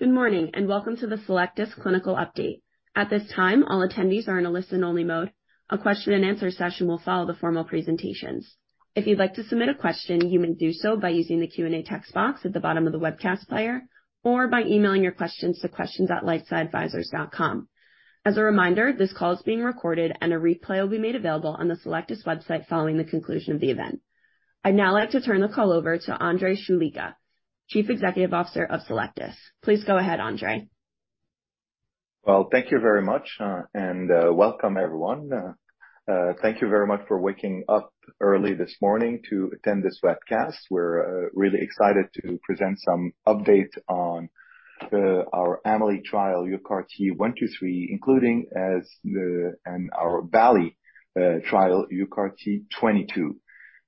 Good morning, welcome to the Cellectis Clinical Update. At this time, all attendees are in a listen only mode. A question and answer session will follow the formal presentations. If you'd like to submit a question, you may do so by using the Q&A text box at the bottom of the webcast player, or by emailing your questions to questions@lifesciadvisors.com. As a reminder, this call is being recorded and a replay will be made available on the Cellectis website following the conclusion of the event. I'd now like to turn the call over to André Choulika, Chief Executive Officer of Cellectis. Please go ahead, André. Well, thank you very much, and welcome everyone. Thank you very much for waking up early this morning to attend this webcast. We're really excited to present some updates on our AMELI-01 trial, UCART123, including and our BALLI-01 trial, UCART22,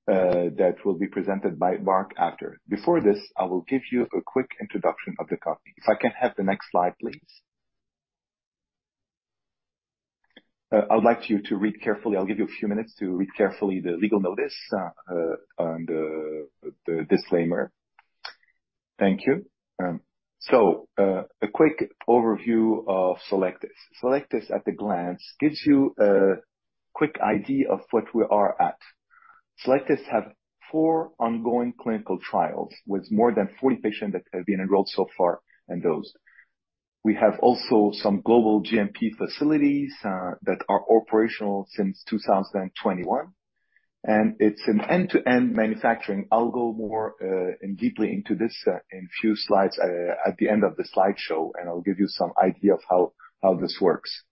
that will be presented by Mark after. Before this, I will give you a quick introduction of the company. If I can have the next slide, please. I would like you to read carefully. I'll give you a few minutes to read carefully the legal notice and the disclaimer. Thank you. A quick overview of Cellectis. Cellectis at a glance gives you a quick idea of what we are at. Cellectis have four ongoing clinical trials, with more than 40 patients that have been enrolled so far in those. We have also some global GMP facilities that are operational since 2021. It's an end-to-end manufacturing. I'll go more and deeply into this in a few slides at the end of the slideshow, and I'll give you some idea of how this works.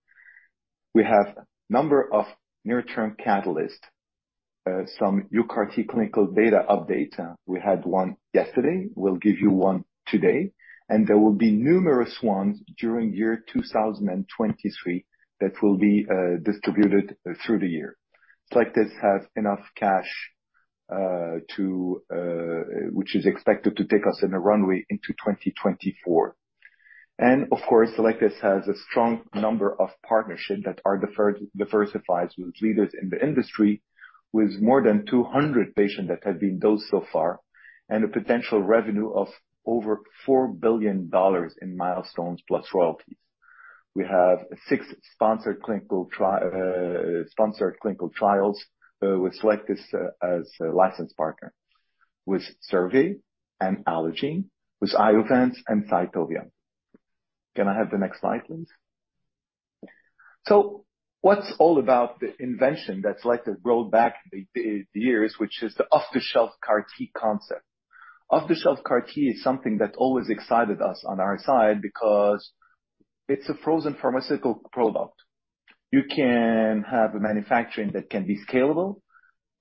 We have number of near-term catalyst, some UCART clinical data update. We had one yesterday, we'll give you one today, and there will be numerous ones during year 2023 that will be distributed through the year. Cellectis has enough cash to which is expected to take us in a runway into 2024. Of course, Cellectis has a strong number of partnerships that are diversified with leaders in the industry, with more than 200 patients that have been dosed so far, and a potential revenue of over $4 billion in milestones plus royalties. We have 6 sponsored clinical trials with Cellectis as a license partner with Servier and Allogene, with Iovance and Cytovia. Can I have the next slide, please? What's all about the invention that Cellectis rolled back the years, which is the off-the-shelf CAR T concept. Off-the-shelf CAR T is something that always excited us on our side because it's a frozen pharmaceutical product. You can have a manufacturing that can be scalable.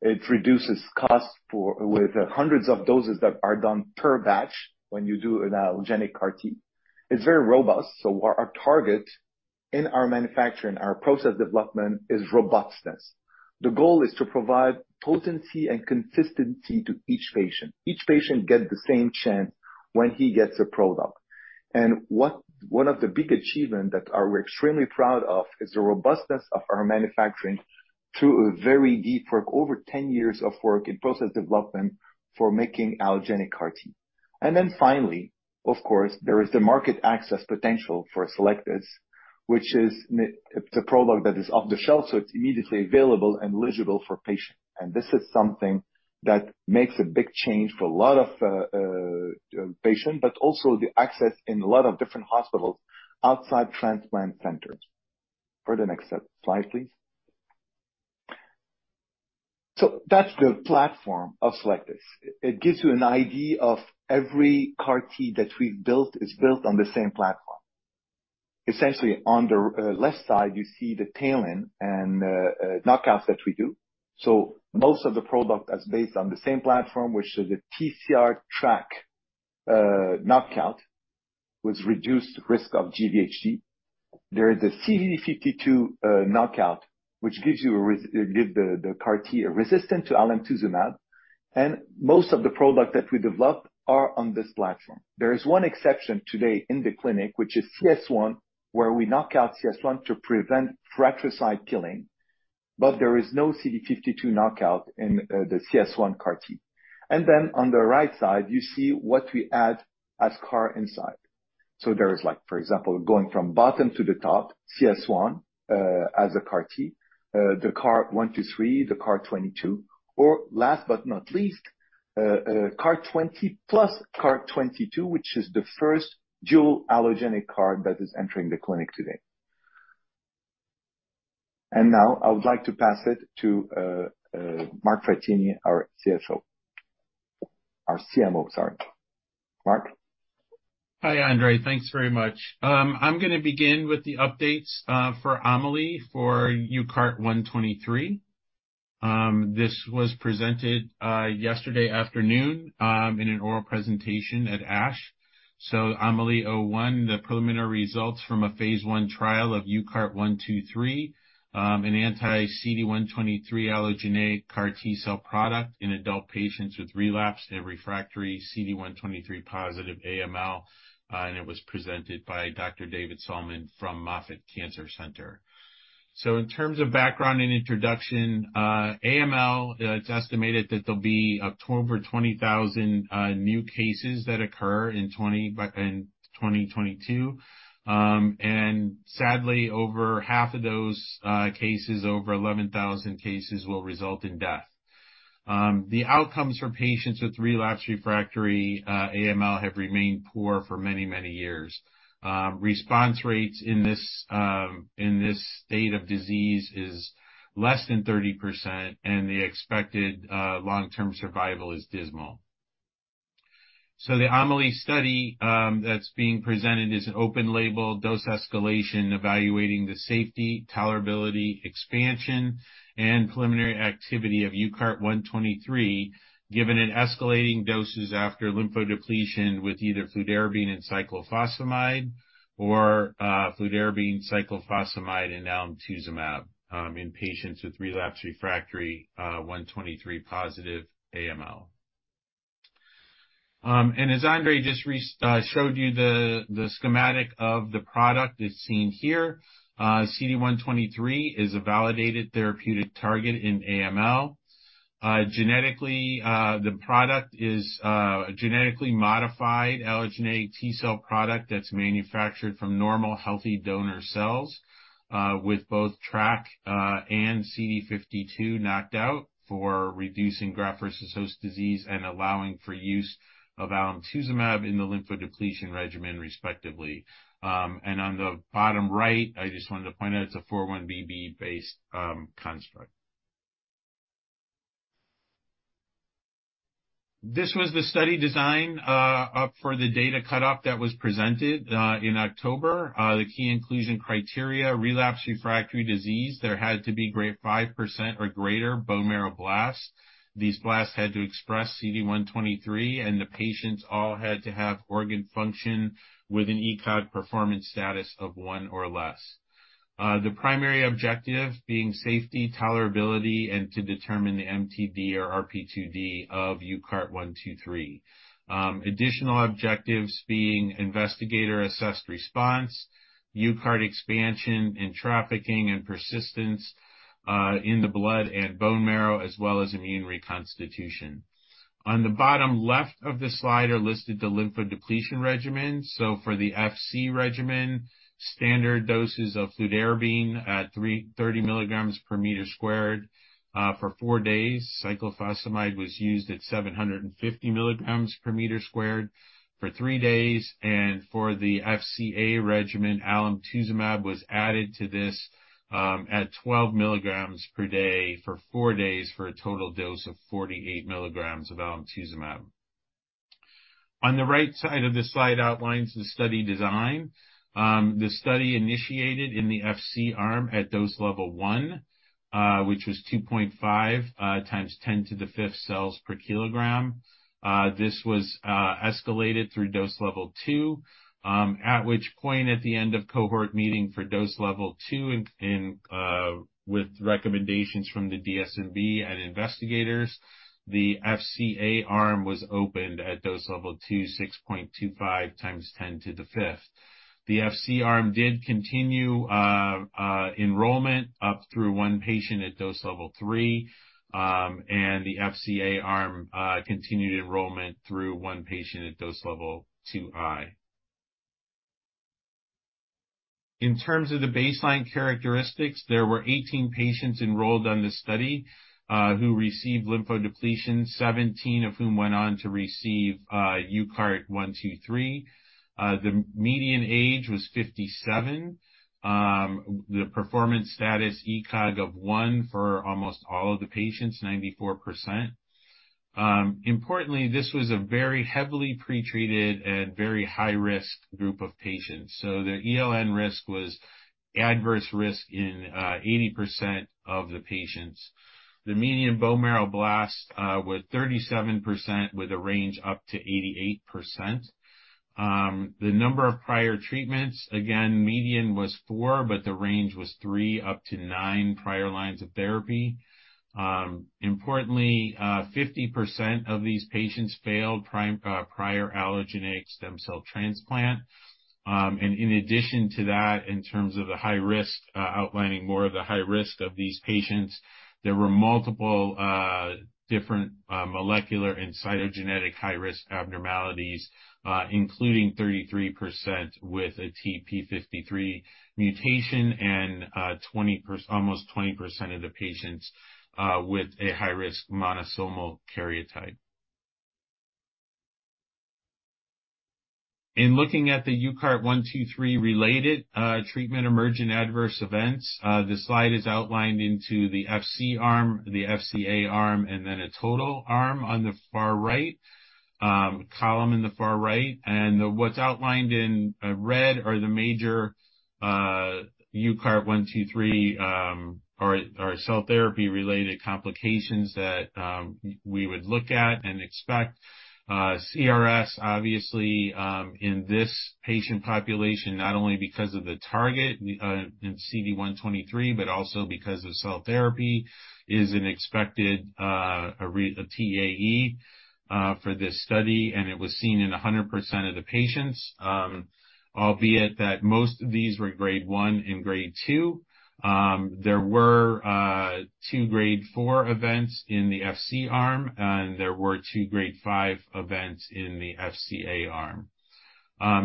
It reduces costs with hundreds of doses that are done per batch when you do an allogeneic CAR T. It's very robust, our target in our manufacturing, our process development is robustness. The goal is to provide potency and consistency to each patient. Each patient get the same chance when he gets a product. One of the big achievement that we're extremely proud of is the robustness of our manufacturing through a very deep work, over 10 years of work in process development for making allogeneic CAR T. Finally, of course, there is the market access potential for Cellectis, which is the, it's a product that is off-the-shelf, so it's immediately available and eligible for patients. This is something that makes a big change for a lot of patients, but also the access in a lot of different hospitals outside transplant centers. For the next slide, please. That's the platform of Cellectis. It gives you an idea of every CAR T that we've built is built on the same platform. Essentially, on the left side, you see the TALEN and knockouts that we do. Most of the product is based on the same platform, which is a TRAC knockout, with reduced risk of GvHD. There is a CD52 knockout, which gives the CAR T a resistance to alemtuzumab. Most of the products that we developed are on this platform. There is one exception today in the clinic, which is CS1, where we knock out CS1 to prevent fratricide killing. There is no CD52 knockout in the CS1 CAR T. Then on the right side, you see what we add as CAR inside. There is like, for example, going from bottom to the top, UCARTCS1, as a CAR T, UCART123, UCART22, last but not least, CAR-20 plus CAR-22, which is the first dual allogeneic CAR that is entering the clinic today. Now I would like to pass it to Mark Frattini, our CSO. Our CMO, sorry. Mark? Hi, André. Thanks very much. I'm gonna begin with the updates for AMELI-01 for UCART123. This was presented yesterday afternoon in an oral presentation at ASH. AMELI-01, the preliminary results from a phase 1 trial of UCART123, an anti-CD123 allogeneic CAR T-cell product in adult patients with relapsed and refractory CD123 positive AML, and it was presented by Dr. David Sallman from Moffitt Cancer Center. AML, it's estimated that there'll be up to over 20,000 new cases that occur in 2022. Sadly, over half of those cases, over 11,000 cases will result in death. The outcomes for patients with relapsed refractory AML have remained poor for many, many years. Response rates in this state of disease is less than 30%, and the expected long-term survival is dismal. The AMELI-01 study that's being presented is an open label dose escalation evaluating the safety, tolerability, expansion and preliminary activity of UCART123, given in escalating doses after lymphodepletion with either fludarabine and cyclophosphamide or fludarabine, cyclophosphamide and alemtuzumab, in patients with relapsed refractory 123 positive AML. As André just showed you the schematic of the product that's seen here. CD123 is a validated therapeutic target in AML. Genetically, the product is genetically modified allogeneic T-cell product that's manufactured from normal, healthy donor cells, with both TRAC and CD52 knocked out for reducing graft versus host disease and allowing for use of alemtuzumab in the lymphodepletion regimen, respectively. On the bottom right, I just wanted to point out it's a 4-1BB-based construct. This was the study design for the data cutoff that was presented in October. The key inclusion criteria, relapse refractory disease. There had to be Grade 5% or greater bone marrow blast. These blasts had to express CD123, and the patients all had to have organ function with an ECOG performance status of 1 or less. The primary objective being safety, tolerability, and to determine the MTD or RP2D of UCART123. Additional objectives being investigator assessed response, ucart expansion, and trafficking and persistence in the blood and bone marrow, as well as immune reconstitution. On the bottom left of the slide are listed the lymphodepletion regimen. For the FC regimen, standard doses of fludarabine at 330 milligrams per meter squared for four days. Cyclophosphamide was used at 750 milligrams per meter squared for three days. For the FCA regimen, alemtuzumab was added to this at 12 milligrams per day for four days, for a total dose of 48 milligrams of alemtuzumab. On the right side of this slide outlines the study design. The study initiated in the FC arm at Dose Level 1, which was 2.5 times 10^5 cells per kilogram. This was escalated through Dose Level 2, at which point at the end of cohort meeting for Dose Level 2 with recommendations from the DSMB and investigators, the FCA arm was opened at Dose Level 2, 6.25 times 10^5. The FC arm did continue enrollment up through one patient at Dose Level 3. The FCA arm continued enrollment through 1 patient at Dose Level 2. In terms of the baseline characteristics, there were 18 patients enrolled on this study, who received lymphodepletion, 17 of whom went on to receive UCART123. The median age was 57. The performance status ECOG of one for almost all of the patients, 94%. Importantly, this was a very heavily pretreated and very high risk group of patients. The ELN risk was adverse risk in 80% of the patients. The median bone marrow blast was 37%, with a range up to 88%. The number of prior treatments, again, median was four, but the range was three, up to nine prior lines of therapy. Importantly, 50% of these patients failed prior allogeneic stem cell transplant. In addition to that, in terms of the high risk, outlining more of the high risk of these patients, there were multiple different molecular and cytogenetic high-risk abnormalities, including 33% with a TP53 mutation and almost 20% of the patients with a high-risk monosomal karyotype. In looking at the UCART123 related, treatment emergent adverse events, the slide is outlined into the FC arm, the FCA arm, and then a total arm on the far right, column in the far right. What's outlined in red are the major UCART123, or cell therapy-related complications that we would look at and expect. CRS, obviously, in this patient population, not only because of the target, in CD123, but also because of cell therapy, is an expected TAE for this study, and it was seen in 100% of the patients. Albeit that most of these were Grade 1 and Grade 2. There were two Grade 4 events in the FC arm, and there were two Grade 5 events in the FCA arm.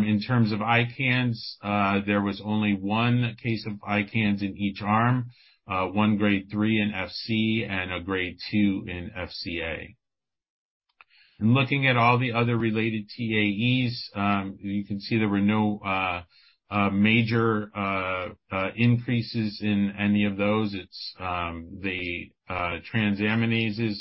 In terms of ICANS, there was only one case of ICANS in each arm, one Grade 3 in FC and 1 Grade 2 in FCA. In looking at all the other related TAEs, you can see there were no major increases in any of those. It's the transaminases,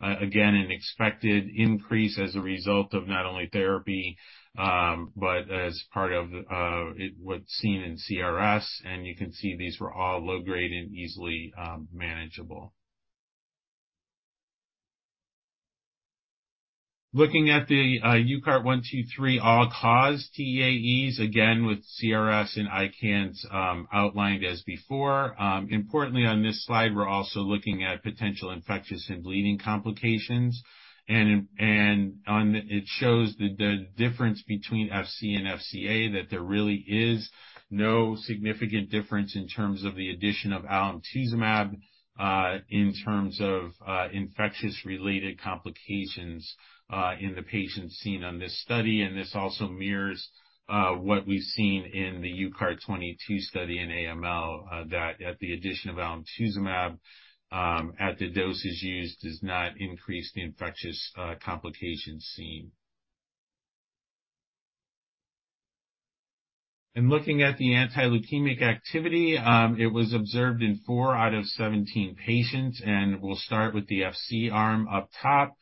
again, an expected increase as a result of not only therapy, but as part of what's seen in CRS. You can see these were all low-grade and easily manageable. Looking at the UCART123 all-cause TAEs, again with CRS and ICANS, outlined as before. Importantly, on this slide, we're also looking at potential infectious and bleeding complications. It shows that the difference between FC and FCA, that there really is no significant difference in terms of the addition of alemtuzumab, in terms of infectious related complications, in the patients seen on this study. This also mirrors what we've seen in the UCART22 study in AML, that at the addition of alemtuzumab, at the doses used, does not increase the infectious complications seen. In looking at the anti-leukemic activity, it was observed in four out of 17 patients. We'll start with the FC arm up top.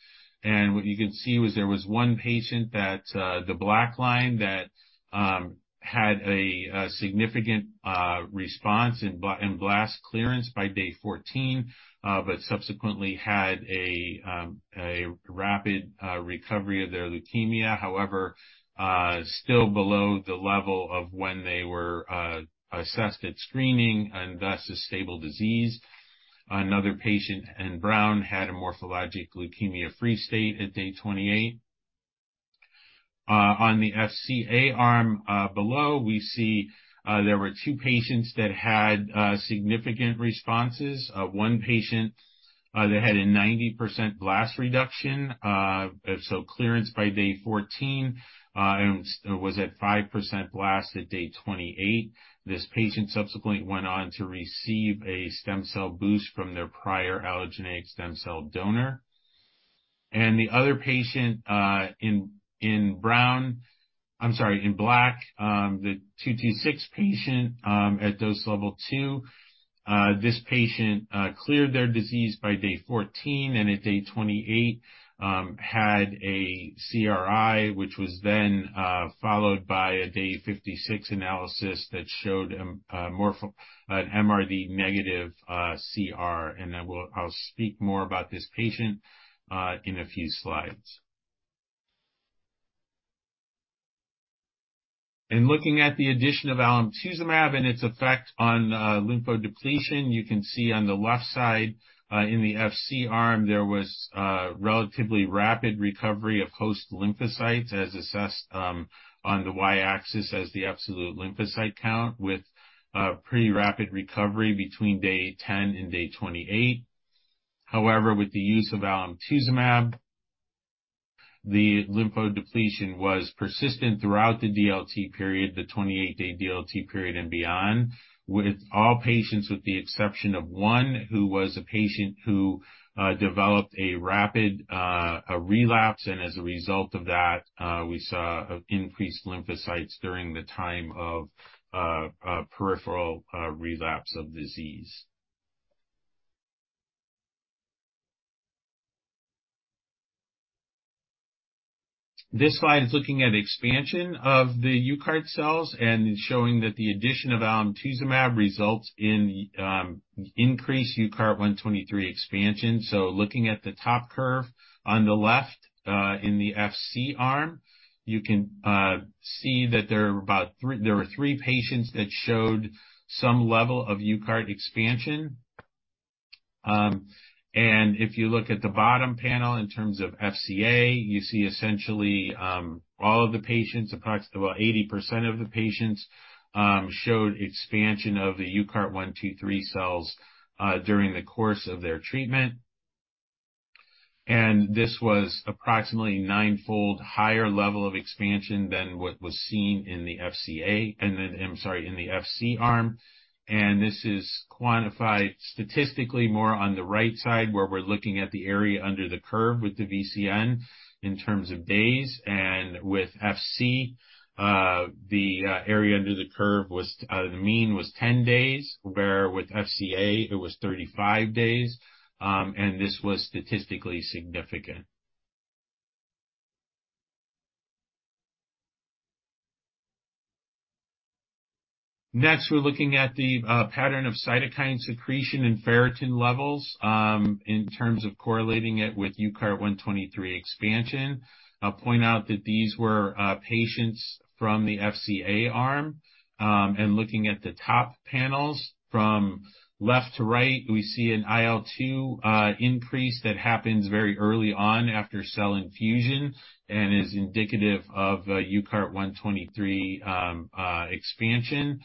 What you can see was there was one patient that, the black line that had a significant response in blast clearance by day 14, but subsequently had a rapid recovery of their leukemia. However, still below the level of when they were assessed at screening and thus a stable disease. Another patient, in brown, had a morphologic leukemia-free state at day 28. On the FCA arm below, we see there were two patients that had significant responses. One patient, they had a 90% blast reduction. Clearance by day 14, and was at 5% blast at day 28. This patient subsequently went on to receive a stem cell boost from their prior allogeneic stem cell donor. The other patient, in black, the 226 patient, at Dose Level 2, this patient cleared their disease by day 14 and at day 28 had a CRI, which was then followed by a day 56 analysis that showed an MRD negative CR. I'll speak more about this patient in a few slides. In looking at the addition of alemtuzumab and its effect on lymphodepletion, you can see on the left side, in the FC arm, there was a relatively rapid recovery of host lymphocytes, as assessed, on the y-axis as the absolute lymphocyte count, with a pretty rapid recovery between day 10 and day 28. With the use of alemtuzumab, the lymphodepletion was persistent throughout the DLT period, the 28-day DLT period and beyond, with all patients with the exception of one, who was a patient who developed a rapid relapse. As a result of that, we saw increased lymphocytes during the time of peripheral relapse of disease. This slide is looking at expansion of the UCART cells and showing that the addition of alemtuzumab results in increased UCART123 expansion. Looking at the top curve on the left, in the FC arm, you can see that there are about three patients that showed some level of UCART expansion. If you look at the bottom panel in terms of FCA, you see essentially, all of the patients, approximately 80% of the patients, showed expansion of the UCART123 cells during the course of their treatment. This was approximately nine-fold higher level of expansion than what was seen in the FCA, in the FC arm. This is quantified statistically more on the right side, where we're looking at the area under the curve with the VCN in terms of days. With FC, the area under the curve was, the mean was 10 days, where with FCA it was 35 days, and this was statistically significant. Next, we're looking at the pattern of cytokine secretion and ferritin levels in terms of correlating it with UCART123 expansion. I'll point out that these were patients from the FCA arm. Looking at the top panels from left to right, we see an IL-2 increase that happens very early on after cell infusion and is indicative of UCART123 expansion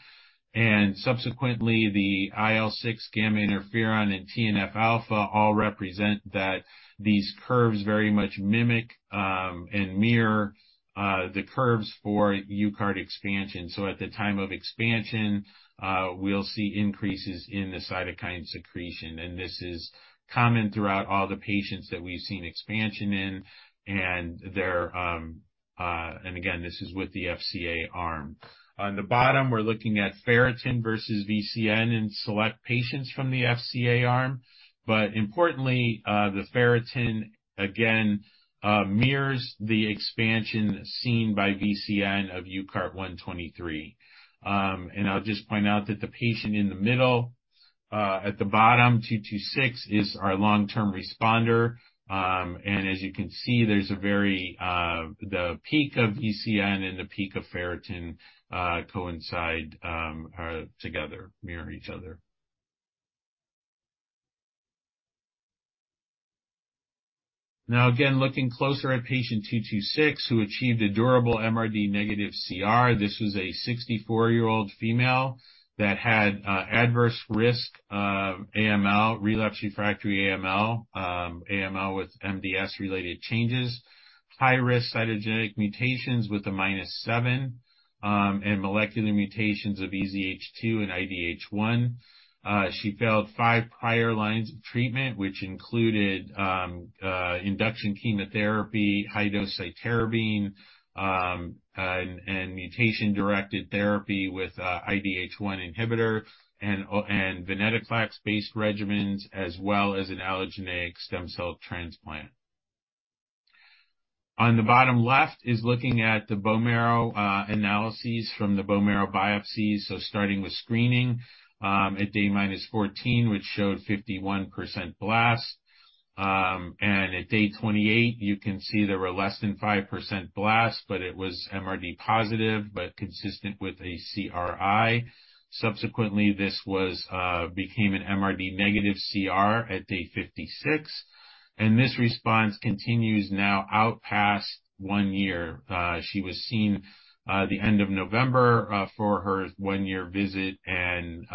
and subsequently the IL-6, IFN-gamma, and TNF-alpha all represent that these curves very much mimic and mirror the curves for UCART expansion. At the time of expansion, we'll see increases in the cytokine secretion. This is common throughout all the patients that we've seen expansion in and there, and again, this is with the FCA arm. On the bottom we're looking at ferritin versus VCN in select patients from the FCA arm. Importantly, the ferritin again mirrors the expansion seen by VCN of UCART123. I'll just point out that the patient in the middle, at the bottom, 226, is our long-term responder. As you can see, there's a very, the peak of VCN and the peak of ferritin, coincide, are together, mirror each other. Now, again, looking closer at patient 226 who achieved a durable MRD negative CR. This was a 64-year-old female that had adverse risk AML, relapse refractory AML with MDS-related changes, high risk cytogenetic mutations with a -7, and molecular mutations of EZH2 and IDH1. She failed 5 prior lines of treatment, which included induction chemotherapy, high-dose cytarabine, and mutation-directed therapy with IDH1 inhibitor and venetoclax-based regimens, as well as an allogeneic stem cell transplant. On the bottom left is looking at the bone marrow analyses from the bone marrow biopsies. Starting with screening at day -14, which showed 51% blast, and at day 28, you can see there were less than 5% blast, but it was MRD positive, but consistent with a CRI. Subsequently, this became an MRD negative CR at day 56, and this response continues now out past one year. She was seen the end of November for her one-year visit and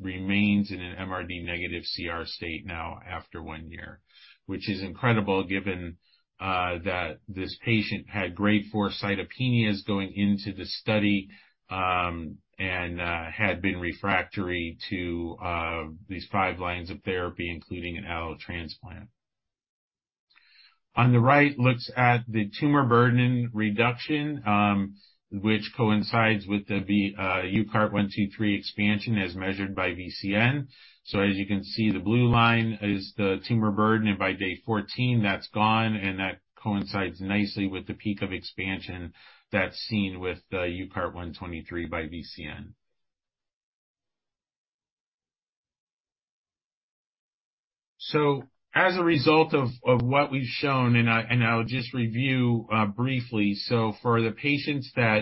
remains in an MRD negative CR state now after one year, which is incredible given that this patient had Grade 4 cytopenias going into the study and had been refractory to these five lines of therapy, including an allo transplant. On the right looks at the tumor burden reduction, which coincides with the UCART123 expansion as measured by VCN. As you can see, the blue line is the tumor burden, and by day 14 that's gone, and that coincides nicely with the peak of expansion that's seen with the UCART123 by VCN. As a result of what we've shown, and I, and I'll just review briefly. For the patients that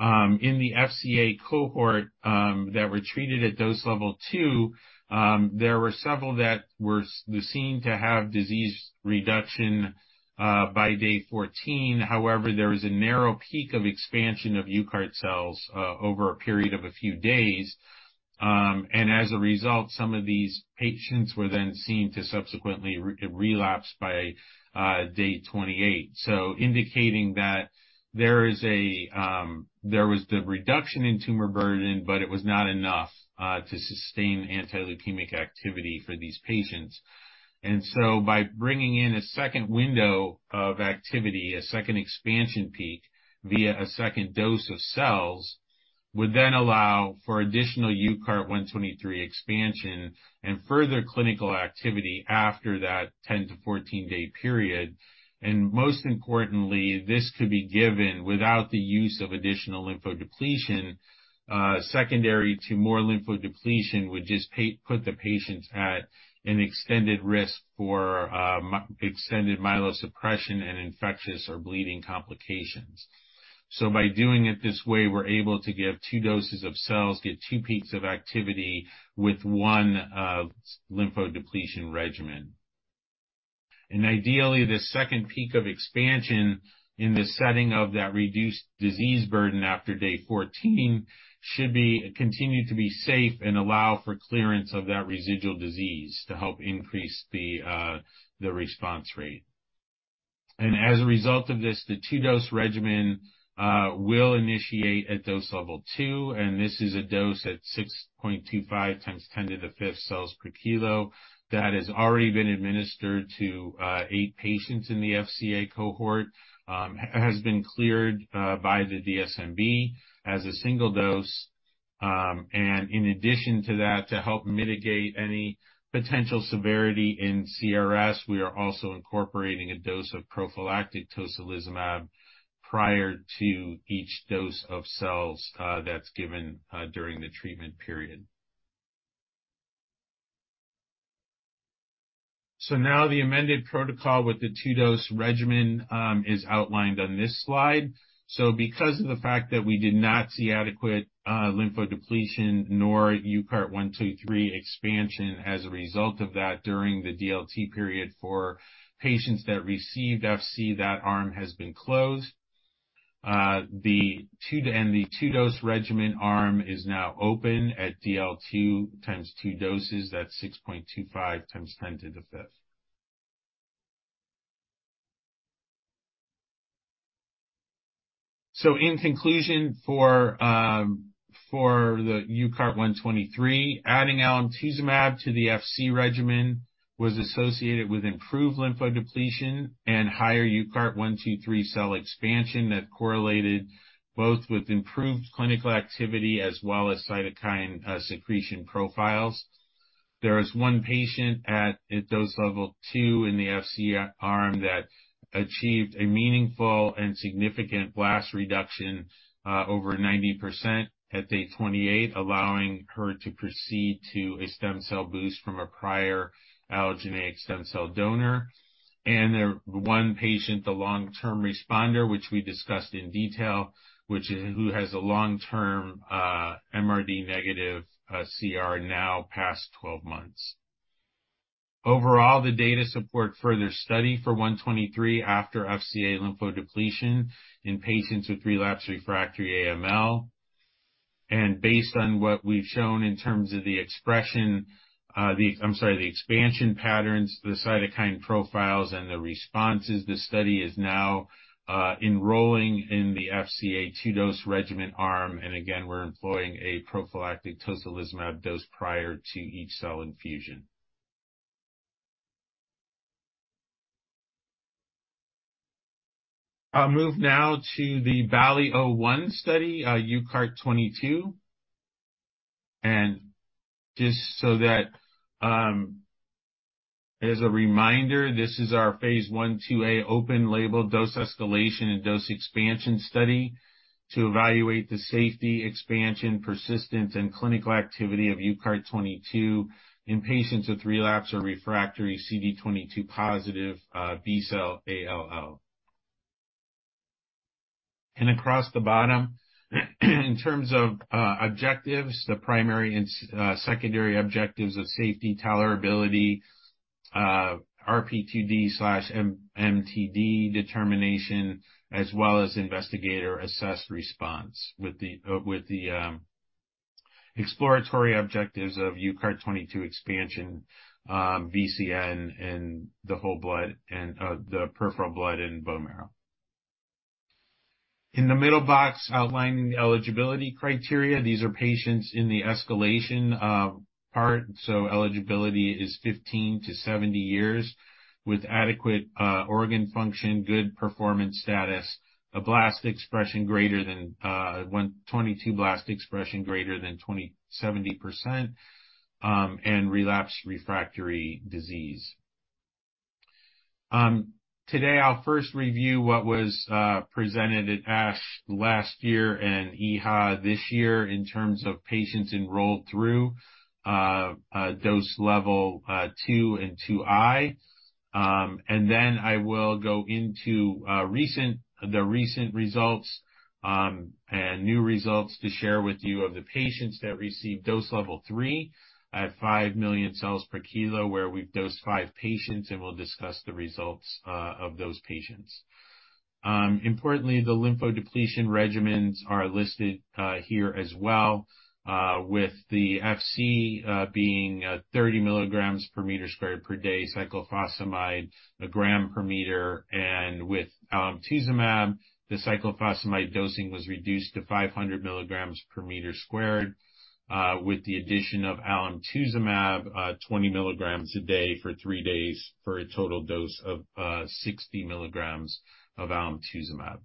in the FCA cohort that were treated at Dose Level 2, there were several that were seen to have disease reduction by day 14. However, there was a narrow peak of expansion of UCART cells over a period of a few days. As a result, some of these patients were then seen to subsequently re-relapse by day 28. Indicating that there is a, there was the reduction in tumor burden, but it was not enough to sustain anti-leukemic activity for these patients. By bringing in a 2nd window of activity, a second expansion peak via a second dose of cells, would then allow for additional UCART123 expansion and further clinical activity after that 10-14 day period. Most importantly, this could be given without the use of additional lymphodepletion. Secondary to more lymphodepletion would just put the patients at an extended risk for extended myelosuppression and infectious or bleeding complications. By doing it this way, we're able to give two doses of cells, get two peaks of activity with one lymphodepletion regimen. Ideally, this second peak of expansion in the setting of that reduced disease burden after day 14 should continue to be safe and allow for clearance of that residual disease to help increase the response rate. As a result of this, the two-dose regimen will initiate at Dose Level 2, and this is a dose at 6.25 times 10^5 cells per kilo that has already been administered to eight patients in the FCA cohort has been cleared by the DSMB as a single dose. In addition to that, to help mitigate any potential severity in CRS, we are also incorporating a dose of prophylactic tocilizumab prior to each dose of cells that's given during the treatment period. Now the amended protocol with the two-dose regimen is outlined on this slide. Because of the fact that we did not see adequate lymphodepletion nor UCART123 expansion as a result of that during the DLT period for patients that received FC, that arm has been closed. The two-dose regimen arm is now open at DL-2 times two doses. That's 6.25 times 10^5. In conclusion, for UCART123, adding alemtuzumab to the FC regimen was associated with improved lymphodepletion and higher UCART123 cell expansion that correlated both with improved clinical activity as well as cytokine secretion profiles. There is one patient at dose level two in the FC arm that achieved a meaningful and significant blast reduction over 90% at day 28, allowing her to proceed to a stem cell boost from a prior allogeneic stem cell donor. The one patient, the long-term responder, who has a long-term MRD-negative CR now past 12 months. Overall, the data support further study for UCART123 after FCA lymphodepletion in patients with relapsed/refractory AML. Based on what we've shown in terms of the expression, the expansion patterns, the cytokine profiles, and the responses, the study is now enrolling in the FCA two-dose regimen arm. Again, we're employing a prophylactic tocilizumab dose prior to each cell infusion. I'll move now to the BALLI-01 study, UCART22. Just so that, as a reminder, this is our Phase I/II A open label dose escalation and dose expansion study to evaluate the safety, expansion, persistence, and clinical activity of UCART22 in patients with relapsed or refractory CD22-positive B-cell ALL. Across the bottom, in terms of objectives, the primary and secondary objectives of safety, tolerability, RP2D/MTD determination, as well as investigator-assessed response with the exploratory objectives of UCART22 expansion, VCN in the whole blood and the peripheral blood and bone marrow. In the middle box outlining the eligibility criteria, these are patients in the escalation part, so eligibility is 15 to 70 years with adequate organ function, good performance status, a 122 blast expression greater than 20%, 70%, and relapse refractory disease. Today I'll first review what was presented at ASH last year and EHA this year in terms of patients enrolled through Dose Level 2 and 2I. Then I will go into the recent results and new results to share with you of the patients that received Dose Level 3 at 5 million cells per kilo, where we've dosed five patients, and we'll discuss the results of those patients. Importantly, the lymphodepletion regimens are listed here as well, with the FC being 30 milligrams per meter squared per day cyclophosphamide, 1 gram per meter. With alemtuzumab, the cyclophosphamide dosing was reduced to 500 milligrams per meter squared, with the addition of alemtuzumab, 20 milligrams a day for three days for a total dose of 60 milligrams of alemtuzumab.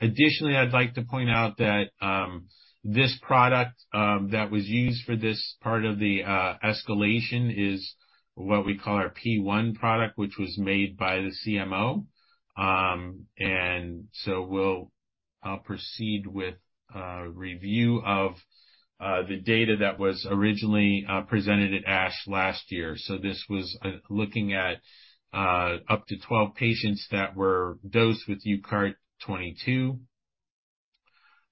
Additionally, I'd like to point out that this product that was used for this part of the escalation is what we call our P1 product, which was made by the CMO. I'll proceed with a review of the data that was originally presented at ASH last year. This was looking at up to 12 patients that were dosed with UCART22.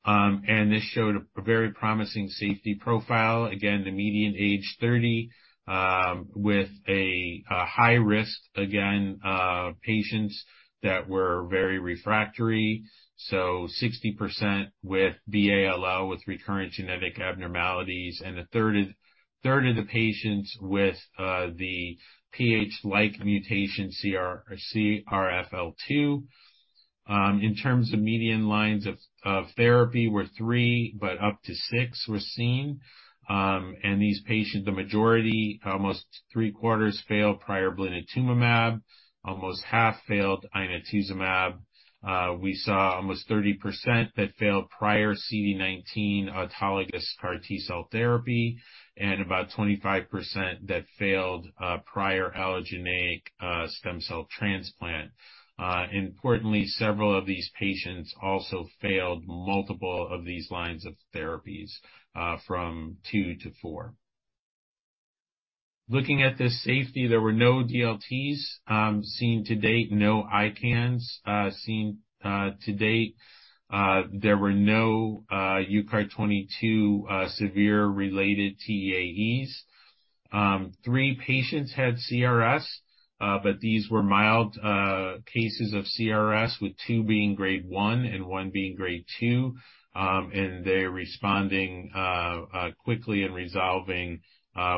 This showed a very promising safety profile. Again, the median age 30, with a high risk, again, patients that were very refractory. 60% with BALL with recurrent genetic abnormalities and a third of the patients with the Ph-like mutation CRLF2. In terms of median lines of therapy were three, but up to six were seen. These patients, the majority, almost three-quarters, failed prior blinatumomab. Almost half failed inotuzumab. We saw almost 30% that failed prior CD19 autologous CAR T-cell therapy and about 25% that failed prior allogeneic stem cell transplant. Importantly, several of these patients also failed multiple of these lines of therapies, from two to four. Looking at the safety, there were no DLTs seen to date, no ICANS seen to date. There were no UCART22 severe-related TAEs. Three patients had CRS, but these were mild cases of CRS, with two being Grade 1 and one being Grade 2. They're responding quickly and resolving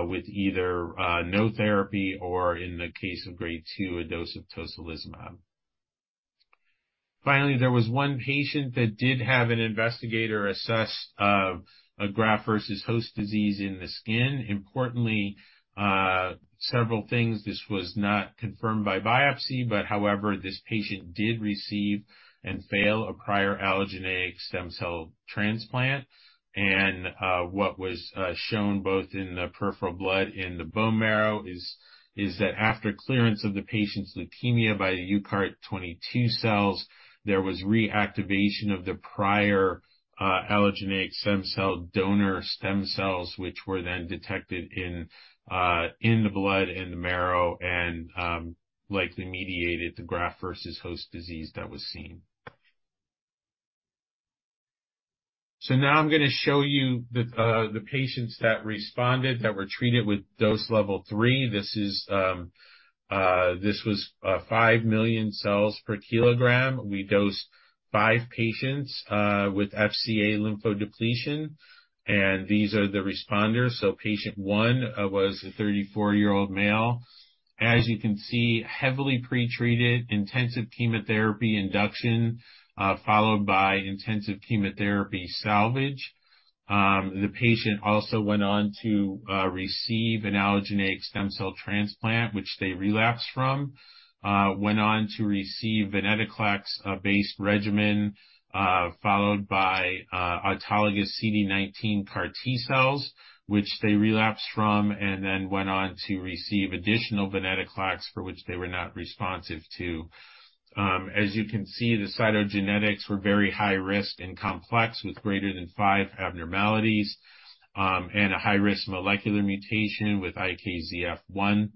with either no therapy or in the case of Grade 2, a dose of tocilizumab. Finally, there was one patient that did have an investigator-assessed graft versus host disease in the skin. Importantly, several things. This was not confirmed by biopsy, but however, this patient did receive and fail a prior allogeneic stem cell transplant. What was shown both in the peripheral blood and the bone marrow is that after clearance of the patient's leukemia by the UCART22 cells, there was reactivation of the prior allogeneic stem cell donor stem cells, which were then detected in the blood and the marrow and likely mediated the graft versus host disease that was seen. Now I'm gonna show you the patients that responded that were treated with Dose Level 3. This was 5 million cells per kilogram. We dosed five patients with FCA lymphodepletion, and these are the responders. Patient 1 was a 34-year-old male. As you can see, heavily pre-treated, intensive chemotherapy induction, followed by intensive chemotherapy salvage. The patient also went on to receive an allogeneic stem cell transplant, which they relapsed from. Went on to receive venetoclax based regimen, followed by autologous CD19 CAR T-cells, which they relapsed from and then went on to receive additional venetoclax, for which they were not responsive to. As you can see, the cytogenetics were very high risk and complex, with greater than 5 abnormalities, and a high-risk molecular mutation with IKZF1.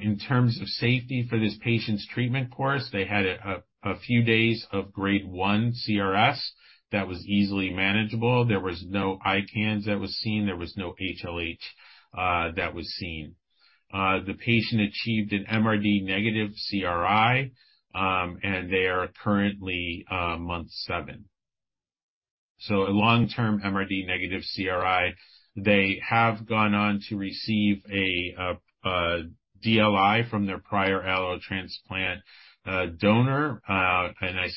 In terms of safety for this patient's treatment course, they had a few days of Grade 1 CRS that was easily manageable. There was no ICANS that was seen. There was no HLH that was seen. The patient achieved an MRD negative CRI, and they are currently month 7. A long-term MRD negative CRI. They have gone on to receive a DLI from their prior allo transplant donor. As I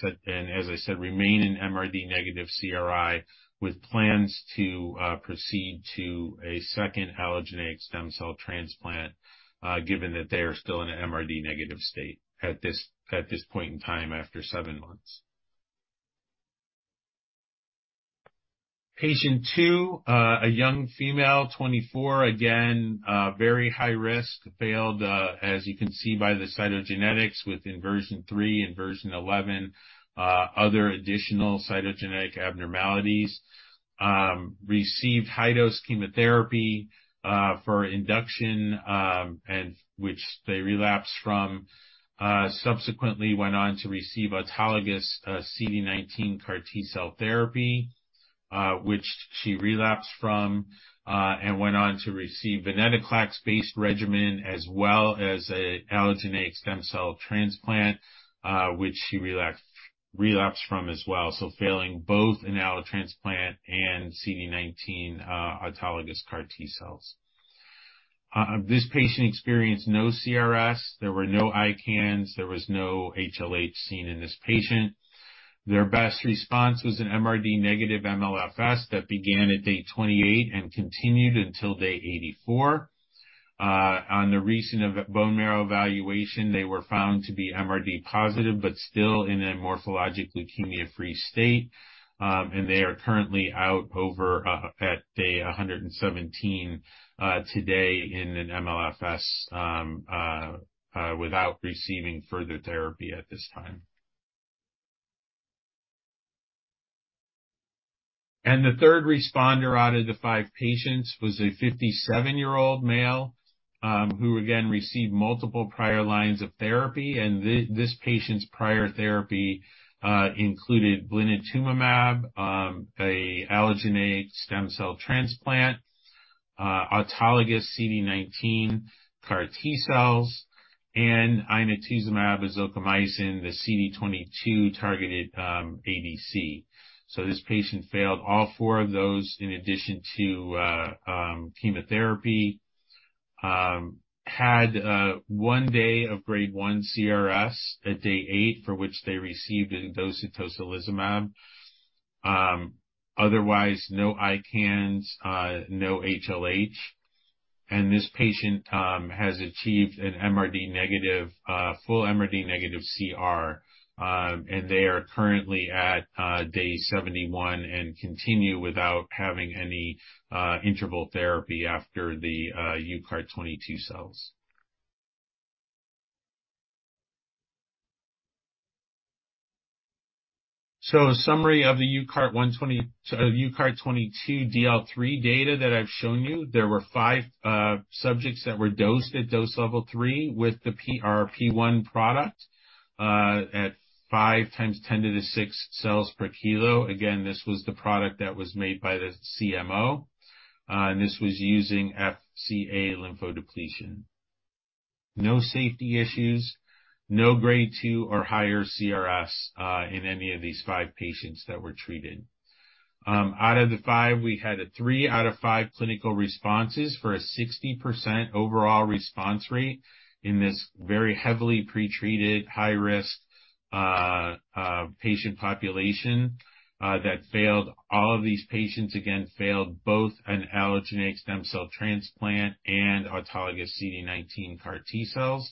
said, remain in MRD negative CRI with plans to proceed to a second allogeneic stem cell transplant, given that they are still in an MRD negative state at this point in time after seven months. Patient two, a young female, 24. Again, very high risk. Failed, as you can see by the cytogenetics with inversion three, inversion 11, additional cytogenetic abnormalities. Received high-dose chemotherapy for induction, which they relapsed from. Subsequently went on to receive autologous CD19 CAR T-cell therapy, which she relapsed from, and went on to receive venetoclax-based regimen as well as an allogeneic stem cell transplant, which she relapsed from as well. Failing both an allo transplant and CD19 autologous CAR T-cells. This patient experienced no CRS. There were no ICANS. There was no HLH seen in this patient. Their best response was an MRD negative MLFS that began at day 28 and continued until day 84. On the recent bone marrow evaluation, they were found to be MRD positive but still in a morphologic leukemia-free state. They are currently out over at day 117 today in an MLFS without receiving further therapy at this time. The third responder out of the five patients was a 57-year-old male, who again received multiple prior lines of therapy. This patient's prior therapy included blinatumomab, a allogeneic stem cell transplant. Autologous CD19 CAR T cells and inotuzumab ozogamicin, the CD22-targeted ADC. This patient failed all four of those in addition to chemotherapy. Had one day of Grade 1 CRS at day 8, for which they received a dose of tocilizumab. Otherwise, no ICANS, no HLH. This patient has achieved an MRD negative, full MRD negative CR. They are currently at day 71 and continue without having any interval therapy after the UCART22 cells. A summary of the UCART123-- UCART22 DL3 data that I've shown you. There were five subjects that were dosed at Dose Level 3 with the P1 product at 5 x 10^6 cells per kilo. Again, this was the product that was made by the CMO, this was using FCA lymphodepletion. No safety issues, no Grade 2 or higher CRS in any of these five patients that were treated. Out of the five, we had a three out of five clinical responses for a 60% overall response rate in this very heavily pre-treated, high risk patient population that failed. All of these patients, again, failed both an allogeneic stem cell transplant and autologous CD19 CAR T cells.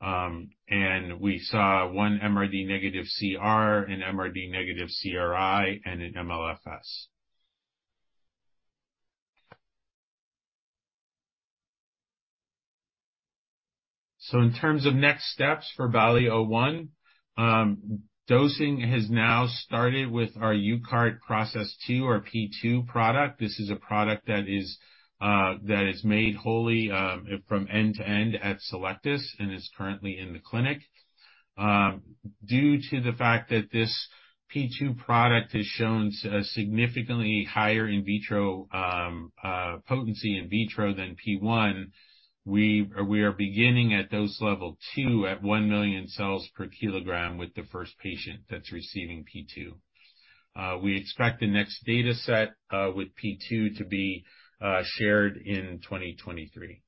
We saw 1 MRD negative CR, an MRD negative CRI, and an MLFS. In terms of next steps for BALLI-01, dosing has now started with our UCART process 2 or P2 product. This is a product that is that is made wholly from end to end at Cellectis and is currently in the clinic. Due to the fact that this P2 product has shown significantly higher in vitro potency in vitro than P1, we are beginning at Dose Level 2 at 1 million cells per kilogram with the first patient that's receiving P2. We expect the next data set with P2 to be shared in 2023.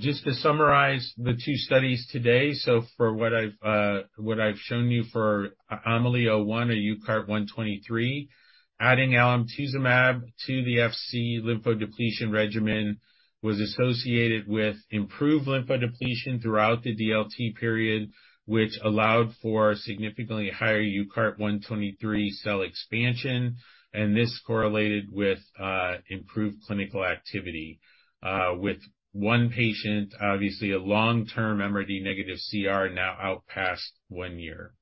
Just to summarize the two studies today. For what I've, what I've shown you for AMELI-01 or UCART123, adding alemtuzumab to the FC lymphodepletion regimen was associated with improved lymphodepletion throughout the DLT period, which allowed for significantly higher UCART123 cell expansion, and this correlated with improved clinical activity with one patient, obviously a long-term MRD negative CR now out past one year.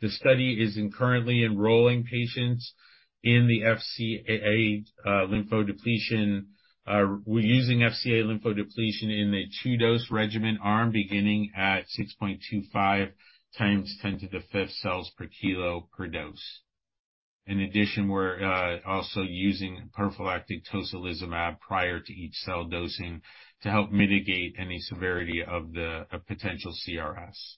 The study is currently enrolling patients in the FCA lymphodepletion. We're using FCA lymphodepletion in a two-dose regimen arm beginning at 6.25 times 10^5 cells per kilo per dose. In addition, we're also using prophylactic tocilizumab prior to each cell dosing to help mitigate any severity of potential CRS.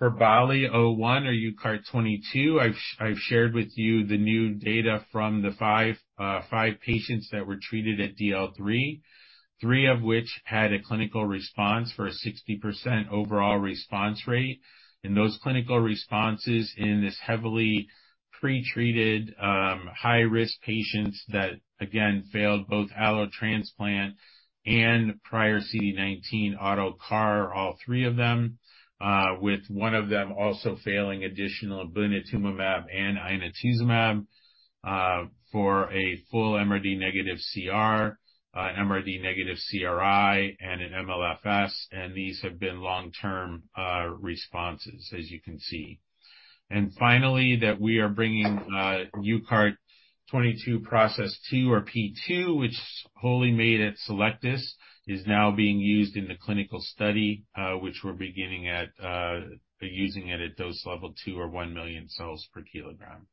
For BALLI-01 or UCART22, I've shared with you the new data from the five patients that were treated at DL 3 of which had a clinical response for a 60% overall response rate. Those clinical responses in this heavily pre-treated, high-risk patients that again failed both allotransplant and prior CD19 auto CAR, all three of them, with 1 of them also failing additional Blinatumomab and Inotuzumab, for a full MRD negative CR, MRD negative CRI and an MLFS. These have been long-term responses, as you can see. Finally, that we are bringing, UCART22 Process 2 or P2, which is wholly made at Cellectis, is now being used in the clinical study, which we're beginning at using it at Dose Level 2 or 1 million cells per kilogram.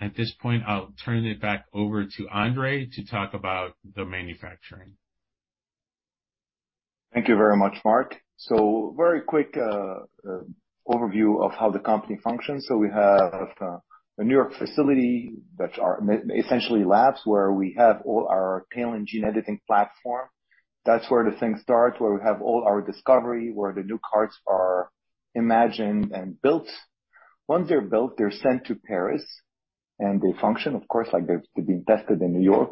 At this point, I'll turn it back over to André to talk about the manufacturing. Thank you very much, Mark. Very quick overview of how the company functions. We have a New York facility that are essentially labs where we have all our payload gene editing platform. That's where the things start, where we have all our discovery, where the new CAR T are imagined and built. Once they're built, they're sent to Paris, and they function, of course, like they're to be tested in New York.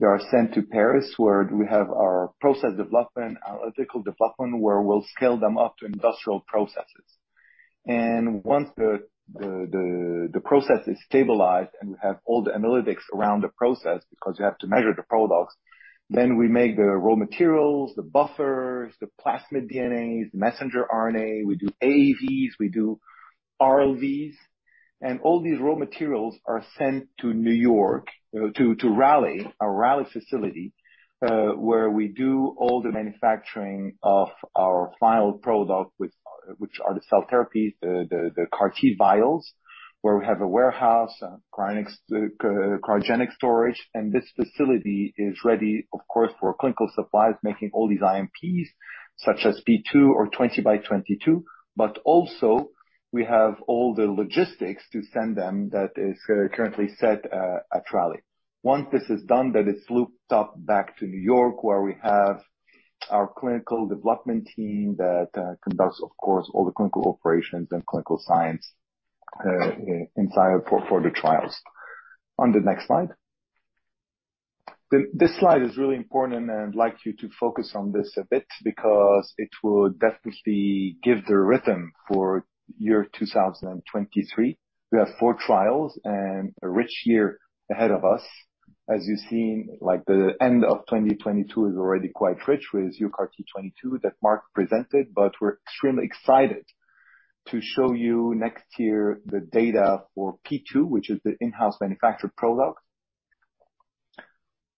They are sent to Paris, where we have our process development, analytical development, where we'll scale them up to industrial processes. Once the the the the process is stabilized and we have all the analytics around the process, because you have to measure the products, then we make the raw materials, the buffers, the plasmid DNAs, messenger RNA. We do AAVs, we do LVVs, and all these raw materials are sent to New York, you know, to Raleigh, our Raleigh facility, where we do all the manufacturing of our final product which are the cell therapies, the CAR T vials, where we have a warehouse, cryogenic storage. This facility is ready, of course, for clinical supplies, making all these IMPs, such as P2 or UCART20x22. Also we have all the logistics to send them that is currently set at Raleigh. Once this is done, then it's looped up back to New York, where we have our clinical development team that conducts, of course, all the clinical operations and clinical science inside for the trials. On the next slide. This slide is really important, and I'd like you to focus on this a bit because it will definitely give the rhythm for year 2023. We have four trials and a rich year ahead of us. As you've seen, like, the end of 2022 is already quite rich with UCART22 that Mark presented. We're extremely excited to show you next year the data for P2, which is the in-house manufactured product.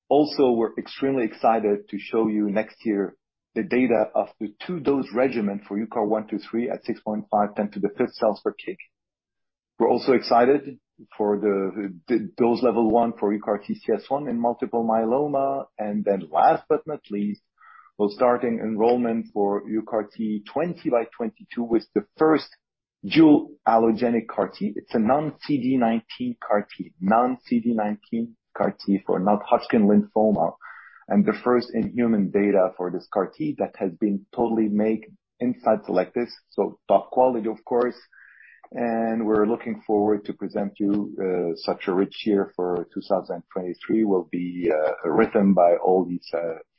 Also, we're extremely excited to show you next year the data of the two-dose regimen for UCART123 at 6.5 then to the 5th cells per kg. We're also excited for the Dose Level 1 for UCARTCS1 in multiple myeloma. Last but not least, we're starting enrollment for UCART20x22 with the first dual allogeneic CAR T. It's a non-CD19 CAR T for non-Hodgkin lymphoma, and the first in human data for this CAR T that has been totally made inside Cellectis, so top quality, of course. We're looking forward to present you, such a rich year for 2023 will be written by all these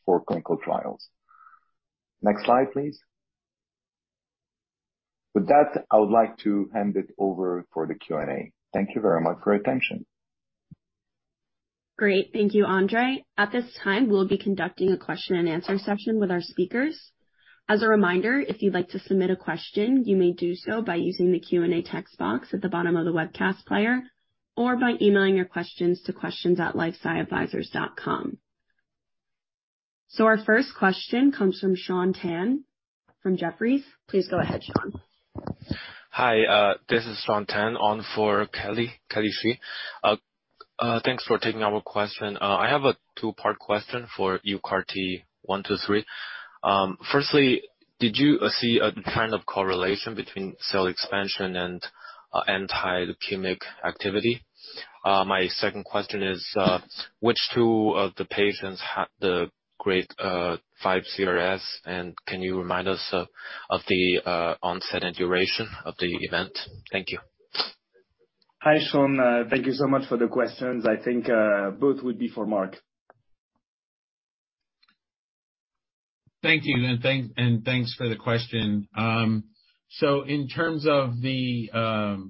four clinical trials. Next slide, please. With that, I would like to hand it over for the Q&A. Thank you very much for your attention. Great. Thank you, André. At this time, we'll be conducting a question and answer session with our speakers. As a reminder, if you'd like to submit a question, you may do so by using the Q&A text box at the bottom of the webcast player or by emailing your questions to questions@lifesciadvisors.com. Our first question comes from Sean Tan from Jefferies. Please go ahead, Sean. Hi, this is Sean Tan on for Kelly Shi. Thanks for taking our question. I have a two-part question for you, UCART123. Firstly, did you see a trend of correlation between cell expansion and anti-leukemic activity? My second question is, which two of the patients had the Grade 5 CRS, and can you remind us of the onset and duration of the event? Thank you. Hi, Sean. Thank you so much for the questions. I think both would be for Mark. Thank you. Thanks, and thanks for the question. In terms of the in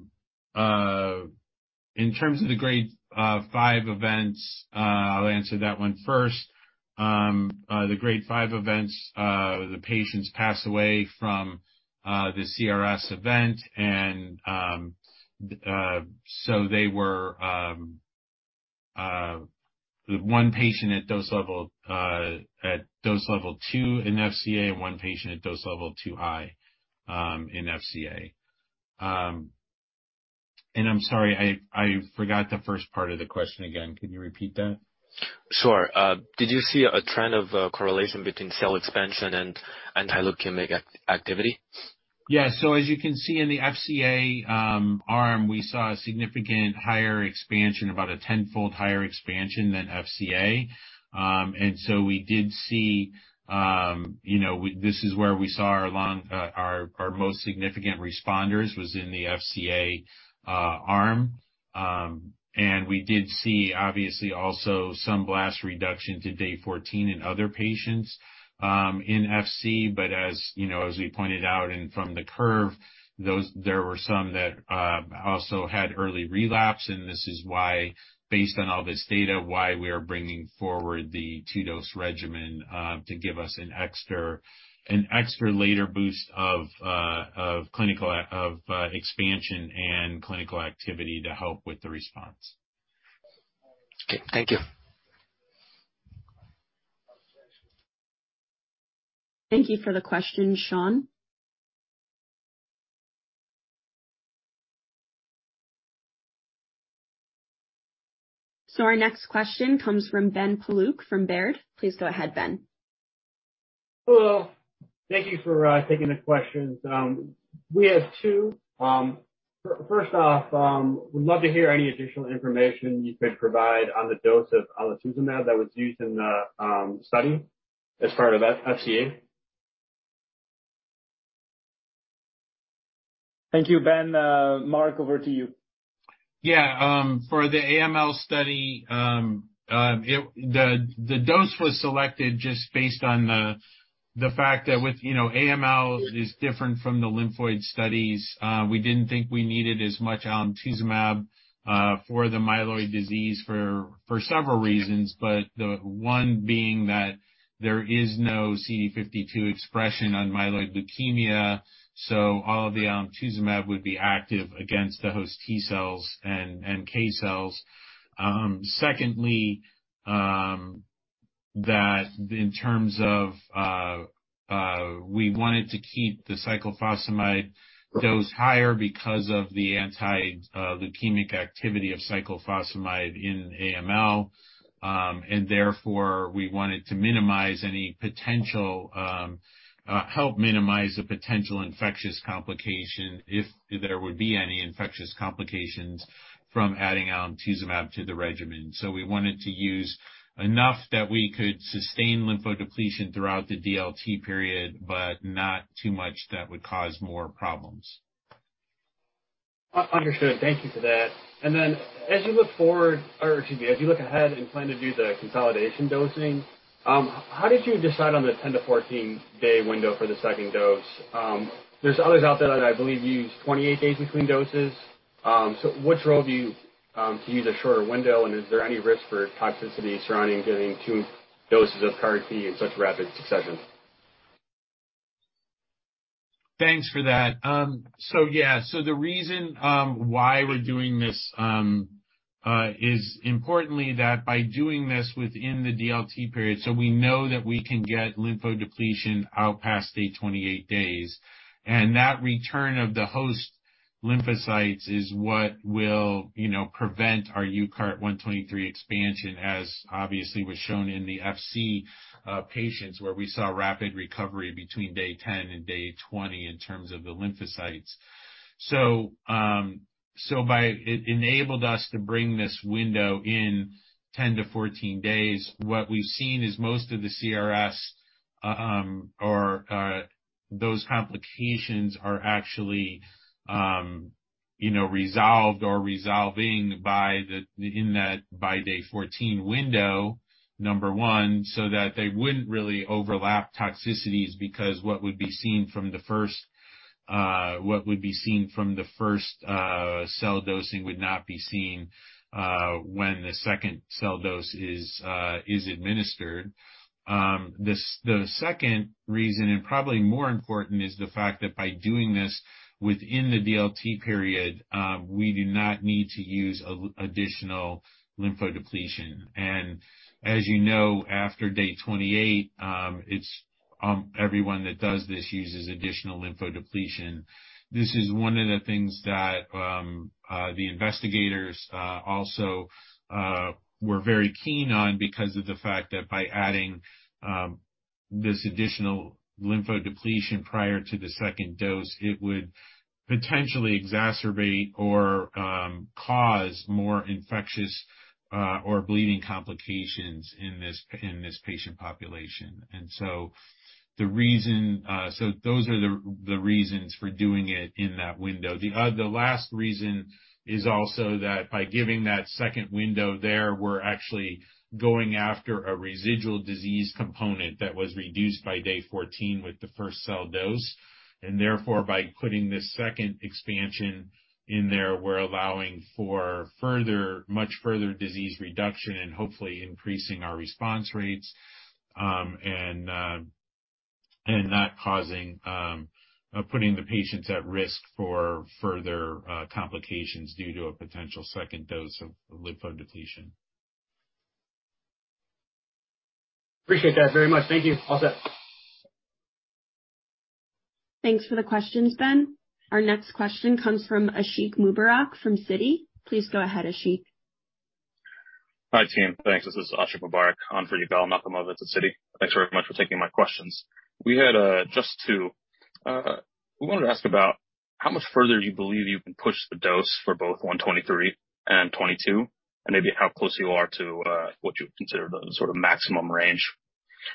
of the Grade 5 events, I'll answer that one first. The Grade 5 events, the patients passed away from the CRS event, and so they were one patient at dose level 2 in fca, and 1 patient at Dose Level 2 high in fca. I'm sorry, I forgot the first part of the question again. Can you repeat that? Sure. Did you see a trend of correlation between cell expansion and anti-leukemic activity? Yeah. As you can see in the FCA arm, we saw a significant higher expansion, about a 10-fold higher expansion than FCA. We did see, you know, this is where we saw our long, our most significant responders was in the FCA arm. We did see obviously also some blast reduction to day 14 in other patients in FC. As you know, as we pointed out and from the curve, those, there were some that also had early relapse. This is why, based on all this data, why we are bringing forward the two-dose regimen to give us an extra, an extra later boost of expansion and clinical activity to help with the response. Okay. Thank you. Thank you for the question, Sean. Our next question comes from Ben Paluch from Baird. Please go ahead, Ben. Hello. Thank you for taking the questions. We have two. First off, would love to hear any additional information you could provide on the dose of alemtuzumab that was used in the study as part of FCA. Thank you, Ben. Mark, over to you. Yeah. For the AML study, the dose was selected just based on the fact that with, you know, AML is different from the lymphoid studies. We didn't think we needed as much alemtuzumab for the myeloid disease for several reasons, but the one being that there is no CD52 expression on myeloid leukemia, so all the alemtuzumab would be active against the host T cells and K cells. Secondly, in terms of, we wanted to keep the cyclophosphamide dose higher because of the anti-leukemic activity of cyclophosphamide in AML. Therefore, we wanted to minimize any potential, help minimize the potential infectious complication if there would be any infectious complications from adding alemtuzumab to the regimen. We wanted to use enough that we could sustain lymphodepletion throughout the DLT period, but not too much that would cause more problems. Understood. Thank you for that. As you look forward, or excuse me, as you look ahead and plan to do the consolidation dosing, how did you decide on the 10-14 day window for the second dose? There's others out there that I believe use 28 days between doses. Which role do you to use a shorter window, and is there any risk for toxicity surrounding giving two doses of CAR T in such rapid succession? Thanks for that. Yeah. The reason why we're doing this is importantly that by doing this within the DLT period, we know that we can get lymphodepletion out past day 28. That return of the host lymphocytes is what will, you know, prevent our UCART123 expansion, as obviously was shown in the FC patients, where we saw rapid recovery between day 10 and day 20 in terms of the lymphocytes. It enabled us to bring this window in 10-14 days. What we've seen is most of the CRS, or those complications are actually, you know, resolved or resolving by day 14 window, number one, so that they wouldn't really overlap toxicities because what would be seen from the first cell dosing would not be seen when the second cell dose is administered. The second reason, and probably more important, is the fact that by doing this within the DLT period, we do not need to use additional lymphodepletion. As you know, after day 28, it's everyone that does this uses additional lymphodepletion. This is one of the things that the investigators also were very keen on because of the fact that by adding this additional lymphodepletion prior to the second dose, it would potentially exacerbate or cause more infectious or bleeding complications in this patient population. Those are the reasons for doing it in that window. The last reason is also that by giving that second window there, we're actually going after a residual disease component that was reduced by day 14 with the first cell dose. Therefore, by putting this second expansion in there, we're allowing for further, much further disease reduction and hopefully increasing our response rates and not causing putting the patients at risk for further complications due to a potential second dose of lymphodepletion. Appreciate that very much. Thank you. All set. Thanks for the questions, Ben. Our next question comes from Aashiq Mubarak from Citi. Please go ahead, Aashiq. Hi, team. Thanks. This is Aashiq Mubarak at Citi. Thanks very much for taking my questions. We had just two. We wanted to ask about how much further you believe you can push the dose for both 123 and 22, and maybe how close you are to what you would consider the sort of maximum range.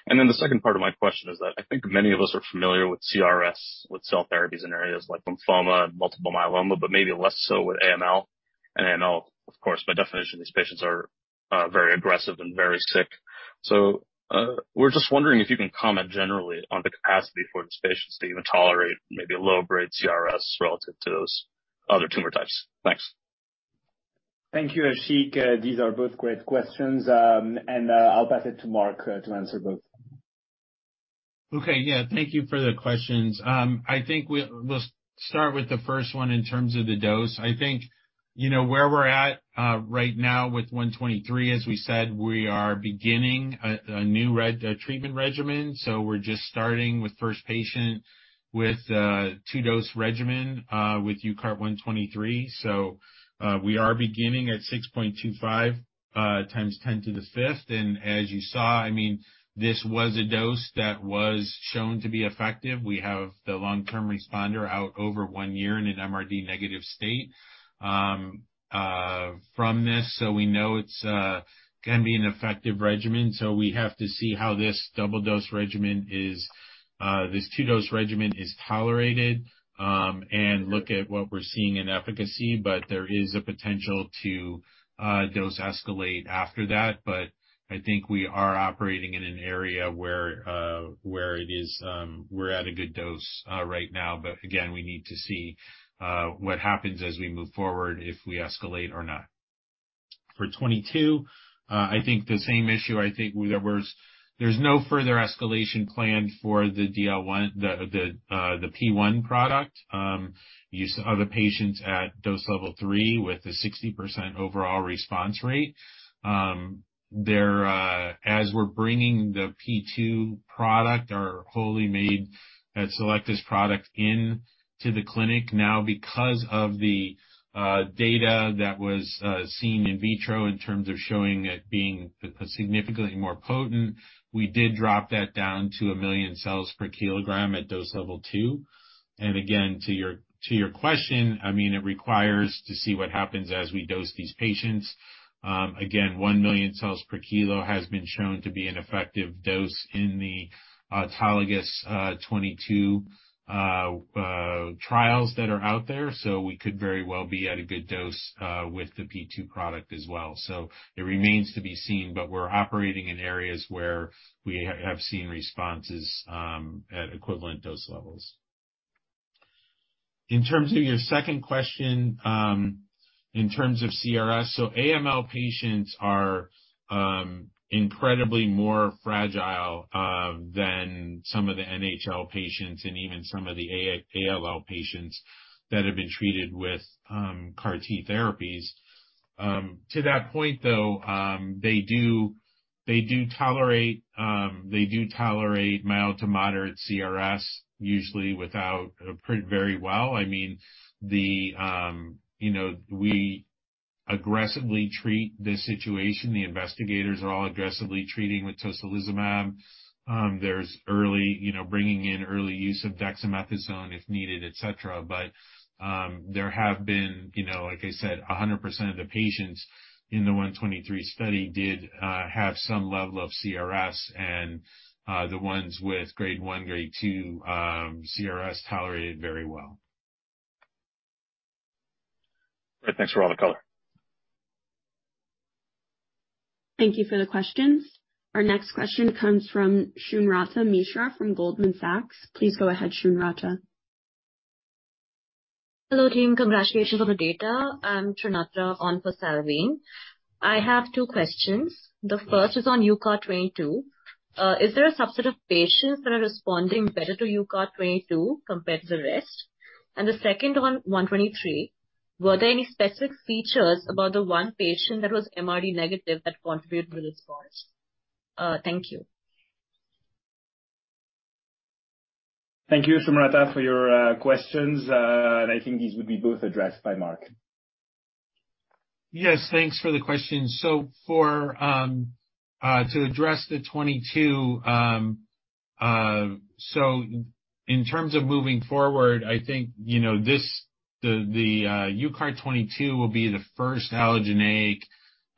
The second part of my question is that I think many of us are familiar with CRS, with cell therapies in areas like lymphoma and multiple myeloma, but maybe less so with AML. AML, of course, by definition, these patients are very aggressive and very sick. We're just wondering if you can comment generally on the capacity for these patients to even tolerate maybe a low-grade CRS relative to those other tumor types. Thanks. Thank you, Aashiq. These are both great questions. I'll pass it to Mark to answer both. Okay. Yeah. Thank you for the questions. I think let's start with the first one in terms of the dose. I think you know where we're at, right now with UCART123, as we said, we are beginning a new treatment regimen, so we're just starting with first patient with a two-dose regimen, with UCART123. We are beginning at 6.25 times 10^5. As you saw, I mean, this was a dose that was shown to be effective. We have the long-term responder out over one year in an MRD-negative state from this. We know it's can be an effective regimen. We have to see how this double dose regimen is this two-dose regimen is tolerated and look at what we're seeing in efficacy. There is a potential to dose escalate after that. I think we are operating in an area where it is, we're at a good dose right now, but again, we need to see what happens as we move forward if we escalate or not. 22, I think the same issue, I think there's no further escalation planned for the DL1, the P1 product. You saw the patients at Dose Level 3 with the 60% overall response rate. There, as we're bringing the P2 product or wholly made at Cellectis product into the clinic now because of the data that was seen in vitro in terms of showing it being significantly more potent, we did drop that down to 1 million cells per kilogram at Dose Level 2. Again, to your question, I mean, it requires to see what happens as we dose these patients. Again, 1 million cells per kilo has been shown to be an effective dose in the autologous 22 trials that are out there. We could very well be at a good dose with the P2 product as well. It remains to be seen, but we're operating in areas where we have seen responses at equivalent dose levels. In terms of your second question, in terms of CRS, AML patients are incredibly more fragile than some of the NHL patients and even some of the ALL patients that have been treated with CAR T therapies. To that point, though, they do tolerate mild to moderate CRS, usually without a pretty very well. I mean, the, you know, we aggressively treat this situation. The investigators are all aggressively treating with tocilizumab. There's early, you know, bringing in early use of dexamethasone if needed, et cetera. There have been, you know, like I said, 100% of the patients in the 123 study did have some level of CRS, and the ones with Grade 1, Grade 2, CRS tolerated very well. Great. Thanks for all the color. Thank you for the questions. Our next question comes from Shunrata Mishra from Goldman Sachs. Please go ahead, Shunrata. Hello, team. Congratulations on the data. I'm Shunrata on for Salveen. I have two questions. The first is on UCART22. Is there a subset of patients that are responding better to UCART22 compared to the rest? The second on UCART123, were there any specific features about the 1 patient that was MRD negative that contributed to this response? Thank you. Thank you, Shunrata, for your questions. I think these would be both addressed by Mark. Yes, thanks for the question. For to address the 22, in terms of moving forward, I think, you know, this, the UCART22 will be the first allogeneic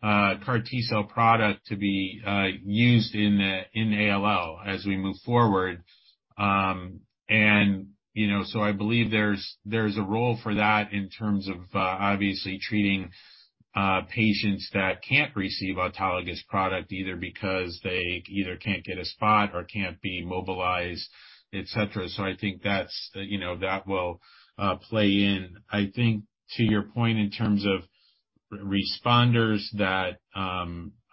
CAR T-cell product to be used in ALL as we move forward. You know, so I believe there's a role for that in terms of obviously treating patients that can't receive autologous product either because they either can't get a spot or can't be mobilized, et cetera. I think that's, you know, that will play in. I think to your point in terms of responders that,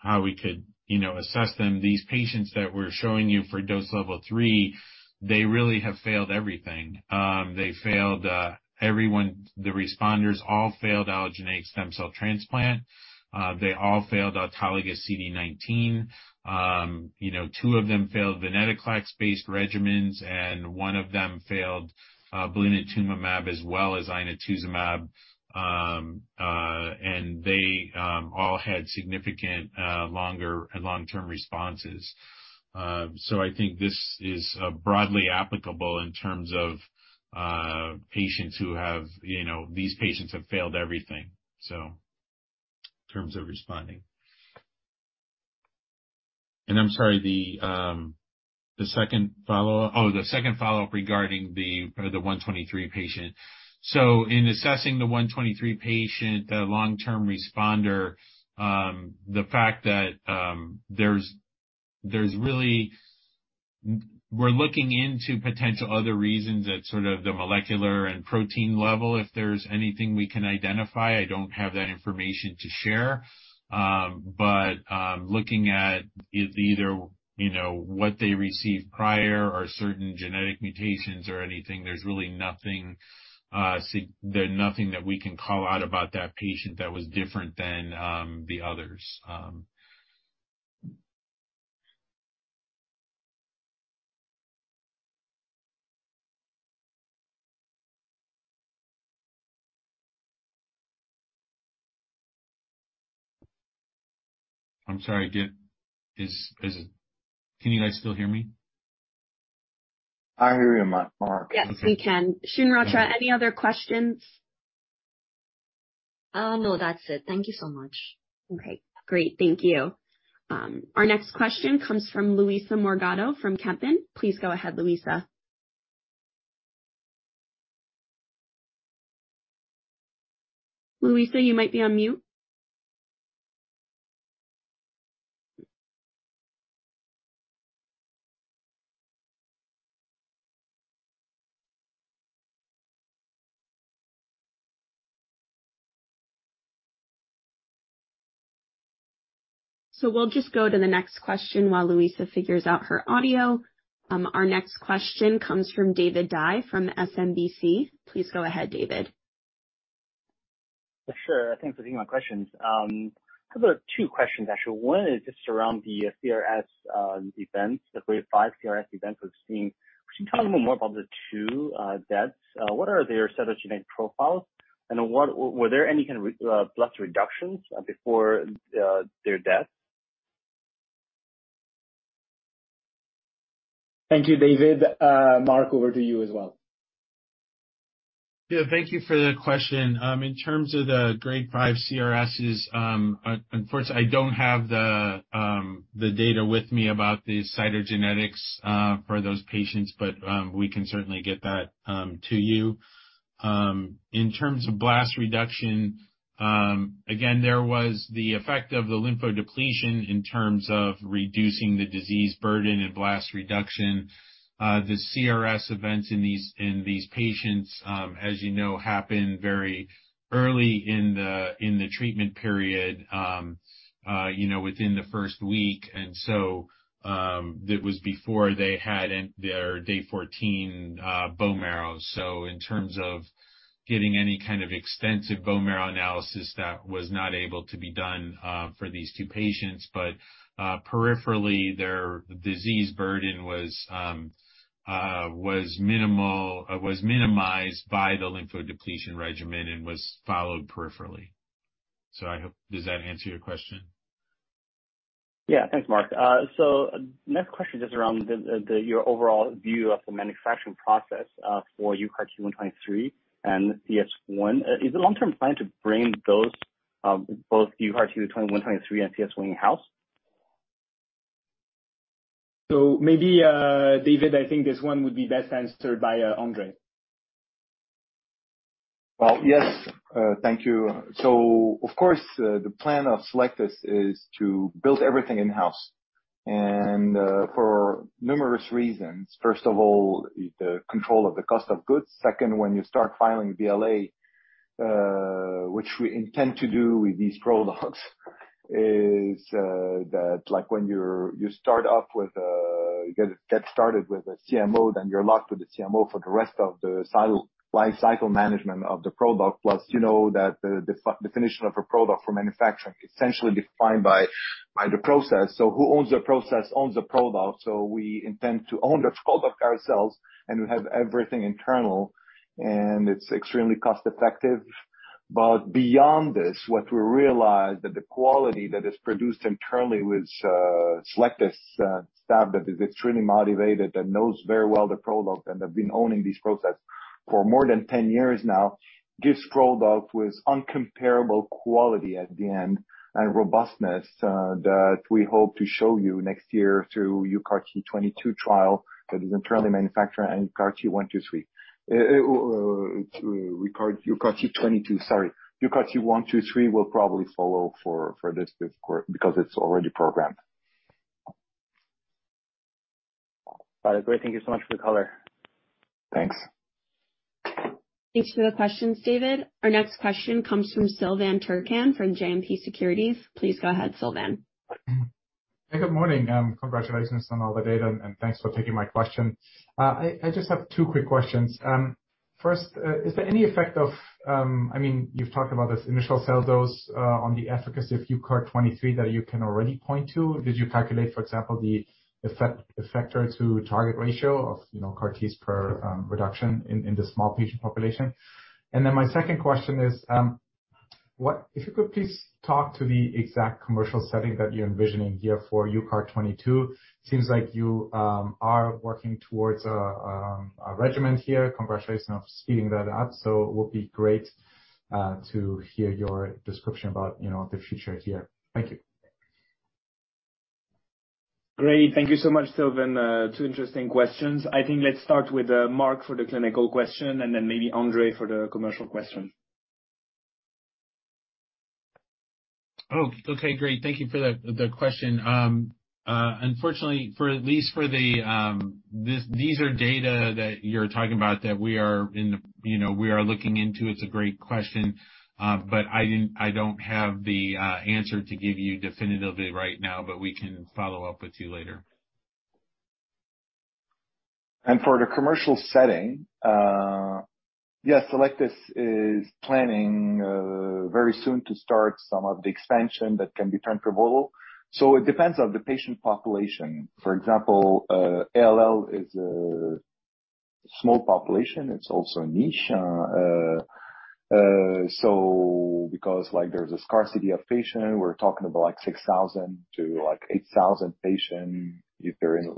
how we could, you know, assess them, these patients that we're showing you for Dose Level 3, they really have failed everything. They failed everyone. The responders all failed allogeneic stem cell transplant. They all failed autologous CD19. You know, two of them failed venetoclax-based regimens, and one of them failed blinatumomab as well as inotuzumab. They all had significant longer and long-term responses. I think this is broadly applicable in terms of patients who have, you know, these patients have failed everything, so in terms of responding. I'm sorry, the second follow-up? The second follow-up regarding the 123 patient. In assessing the 123 patient, the long-term responder, the fact that We're looking into potential other reasons at sort of the molecular and protein level if there's anything we can identify. I don't have that information to share. Looking at either, you know, what they received prior or certain genetic mutations or anything, there's really nothing that we can call out about that patient that was different than the others. I'm sorry, again, Can you guys still hear me? I hear you, Mark. Yes, we can. Shunrata, any other questions? No, that's it. Thank you so much. Okay, great. Thank you. Our next question comes from Luisa Morgado from Kempen. Please go ahead, Luisa. Luisa, you might be on mute. We'll just go to the next question while Luisa figures out her audio. Our next question comes from David Dai from SMBC. Please go ahead, David. Sure. Thanks for taking my questions. couple of two questions, actually. One is just around the CRS events, the grade five CRS events we've seen. Can you tell me more about the two deaths? What are their cytogenetic profiles, and were there any kind of blast reductions before their death? Thank you, David. Mark, over to you as well. Yeah, thank you for the question. In terms of the Grade 5 CRS is, unfortunately, I don't have the data with me about the cytogenetics for those patients, but we can certainly get that to you. In terms of blast reduction, again, there was the effect of the lymphodepletion in terms of reducing the disease burden and blast reduction. The CRS events in these, in these patients, as you know, happened very early in the treatment period, you know, within the first week. That was before they had in their day 14 bone marrow. In terms of getting any kind of extensive bone marrow analysis, that was not able to be done for these two patients. Peripherally, their disease burden was minimized by the lymphodepletion regimen and was followed peripherally. I hope... Does that answer your question? Yeah. Thanks, Mark. next question just around the, your overall view of the manufacturing process for UCART20x22 and CS1. Is the long-term plan to bring those, both UCART20x22 and CS1 in-house? Maybe, David, I think this one would be best answered by, André. Well, yes. Thank you. Of course, the plan of Cellectis is to build everything in-house and for numerous reasons. First of all, the control of the cost of goods. Second, when you start filing BLA, which we intend to do with these products, is that like when you start off with a CMO, then you're locked with the CMO for the rest of the cycle lifecycle management of the product. Plus, you know that the definition of a product for manufacturing essentially defined by the process. Who owns the process owns the product. We intend to own the product ourselves, and we have everything internal, and it's extremely cost effective. Beyond this, what we realized that the quality that is produced internally with Cellectis staff that is extremely motivated and knows very well the product, and they've been owning these products for more than 10 years now, gives product with incomparable quality at the end and robustness that we hope to show you next year through UCART22 trial that is internally manufactured and UCART20x22. It's UCART22, sorry, UCART20x22 will probably follow for this course because it's already programmed. Got it. Great. Thank you so much for the color. Thanks. Thanks for the questions, David. Our next question comes from Silvan Tuerkcan from JMP Securities. Please go ahead, Silvan. Hey, good morning. Congratulations on all the data, and thanks for taking my question. I just have two quick questions. First, is there any effect of, I mean, you've talked about this initial cell dose, on the efficacy of UCART123 that you can already point to. Did you calculate, for example, the effect, effector to target ratio of, you know, CAR Ts per reduction in the small patient population? My second question is, if you could please talk to the exact commercial setting that you're envisioning here for UCART22. Seems like you are working towards a regimen here. Congratulations on speeding that up. It would be great to hear your description about, you know, the future here. Thank you. Great. Thank you so much, Silvan. Two interesting questions. I think let's start with Mark for the clinical question and then maybe André for the commercial question. Okay. Great. Thank you for the question. Unfortunately for at least for the, these are data that you're talking about that you know, we are looking into. It's a great question, but I don't have the answer to give you definitively right now, but we can follow up with you later. For the commercial setting, yes, Cellectis is planning very soon to start some of the expansion that can be transferable. It depends on the patient population. For example, ALL is a small population. It's also a niche. Because, like, there's a scarcity of patients, we're talking about, like, 6,000 to, like, 8,000 patients if they're in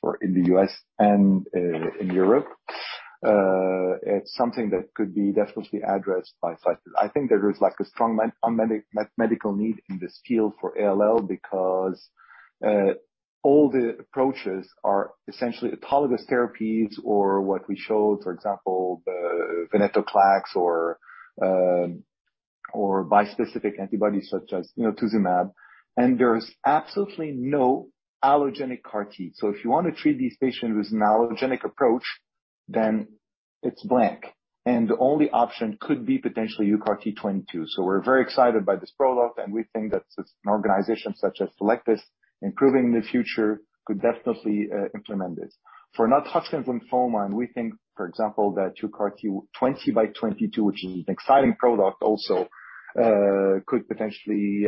for in the US and in Europe. It's something that could be definitely addressed by Cellectis. I think there is, like, a strong medical need in this field for ALL because all the approaches are essentially autologous therapies or what we showed, for example, the venetoclax or bispecific antibodies such as, you know, talquetamab. There's absolutely no allogeneic CAR T. If you want to treat these patients with an allogeneic approach, then it's blank. The only option could be potentially UCART22. We're very excited by this product, and we think that an organization such as Cellectis, improving the future, could definitely implement this. For non-Hodgkin lymphoma, we think, for example, that UCART20x22, which is an exciting product also, could potentially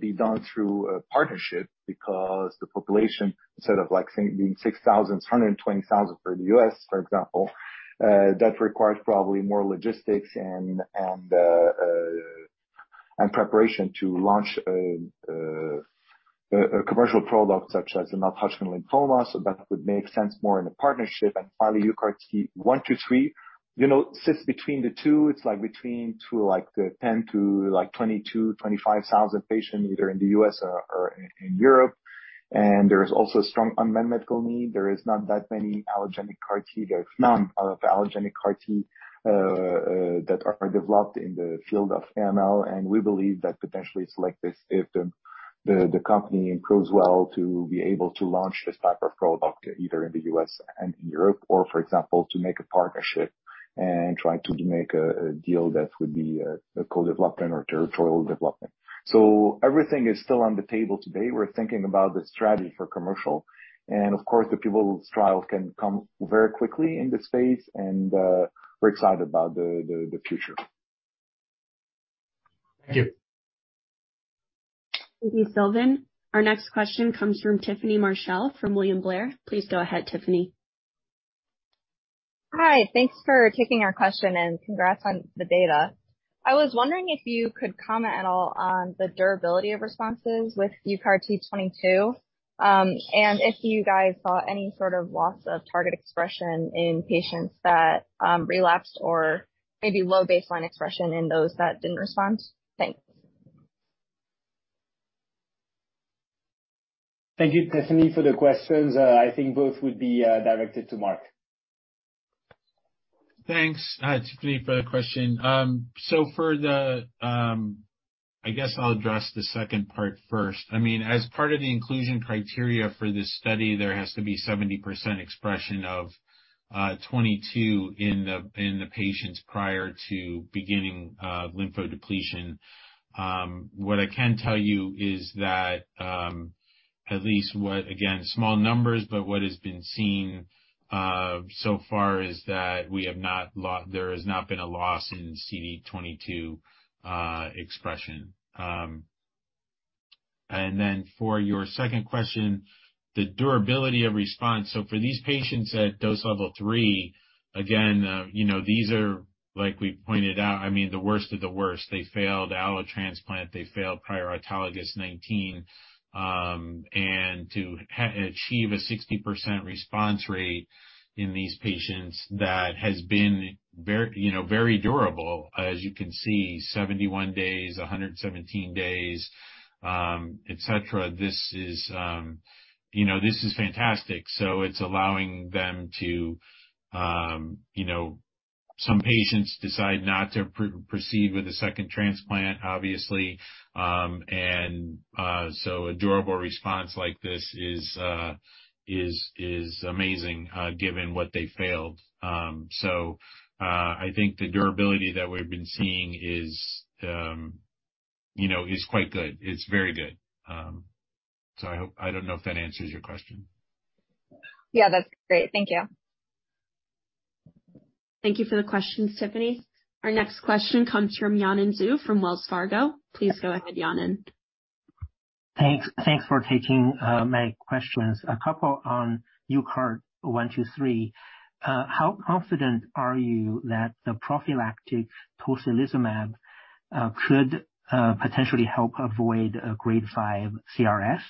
be done through a partnership because the population, instead of like being 6,000, it's 120,000 for the U.S., for example. That requires probably more logistics and preparation to launch a commercial product such as non-Hodgkin lymphoma. That would make sense more in a partnership. Finally, UCART123, you know, sits between the two. It's like between two, like the 10 to like 22,000-25,000 patients, either in the U.S. or in Europe. There is also a strong unmet medical need. There is not that many allogeneic CAR T. There is none of allogeneic CAR T that are developed in the field of AML. We believe that potentially Cellectis if the company improves well to be able to launch this type of product either in the U.S. and in Europe, or for example, to make a partnership and try to make a deal that would be a co-development or territorial development. Everything is still on the table today. We're thinking about the strategy for commercial, and of course, the pivotal trials can come very quickly in this space. We're excited about the future. Thank you. Thank you, Silvan. Our next question comes from Tiffany Marchell from William Blair. Please go ahead, Tiffany. Hi. Thanks for taking our question, and congrats on the data. I was wondering if you could comment at all on the durability of responses with UCART22. If you guys saw any sort of loss of target expression in patients that relapsed or maybe low baseline expression in those that didn't respond. Thanks. Thank you, Tiffany, for the questions. I think both would be directed to Mark. Thanks, Tiffany Marchell, for the question. For the, I guess I'll address the second part first. I mean, as part of the inclusion criteria for this study, there has to be 70% expression of CD22 in the patients prior to beginning lymphodepletion. What I can tell you is that, at least, again, small numbers, but what has been seen so far is that there has not been a loss in CD22 expression. For your second question, the durability of response. For these patients at Dose Level 3, again, you know, these are, like we pointed out, I mean, the worst of the worst. They failed allo transplant. They failed prior autologous CD19. to achieve a 60% response rate in these patients that has been, you know, very durable, as you can see, 71 days, 117 days, et cetera, this is, you know, this is fantastic. It's allowing them to, you know, some patients decide not to proceed with a second transplant, obviously. A durable response like this is amazing, given what they failed. I think the durability that we've been seeing is, you know, is quite good. It's very good. I don't know if that answers your question. Yeah, that's great. Thank you. Thank you for the question, Tiffany. Our next question comes from Yanan Zhu from Wells Fargo. Please go ahead, Yanan. Thanks. Thanks for taking my questions. A couple on UCART123. How confident are you that the prophylactic tocilizumab could potentially help avoid a Grade 5 CRS?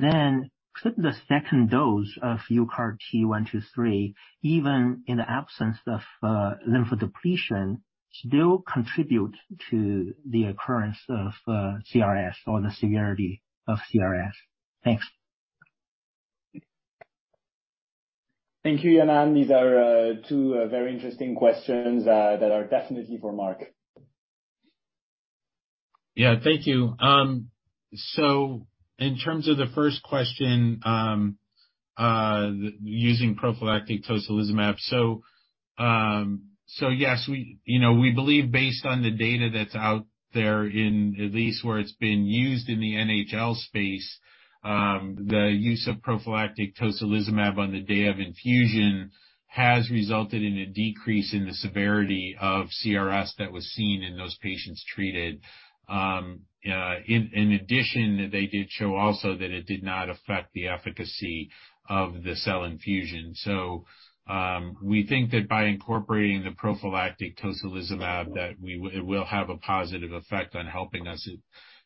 Then could the second dose of UCART123, even in the absence of lymphodepletion, still contribute to the occurrence of CRS or the severity of CRS? Thanks. Thank you, Yanan. These are, two, very interesting questions, that are definitely for Mark. Yeah. Thank you. In terms of the first question, using prophylactic tocilizumab. Yes, we, you know, we believe based on the data that's out there, in at least where it's been used in the NHL space, the use of prophylactic tocilizumab on the day of infusion has resulted in a decrease in the severity of CRS that was seen in those patients treated. In addition, they did show also that it did not affect the efficacy of the cell infusion. We think that by incorporating the prophylactic tocilizumab, that it will have a positive effect on helping us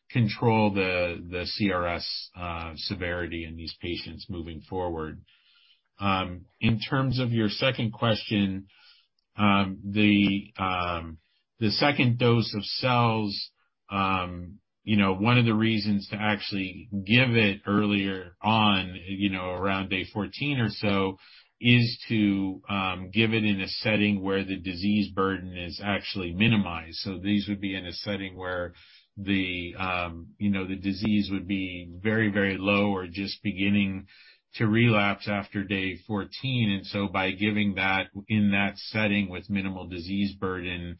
control the CRS severity in these patients moving forward. In terms of your second question, the second dose of cells, you know, one of the reasons to actually give it earlier on, you know, around day 14 or so, is to give it in a setting where the disease burden is actually minimized. These would be in a setting where the disease would be very, very low or just beginning to relapse after day 14. By giving that in that setting with minimal disease burden,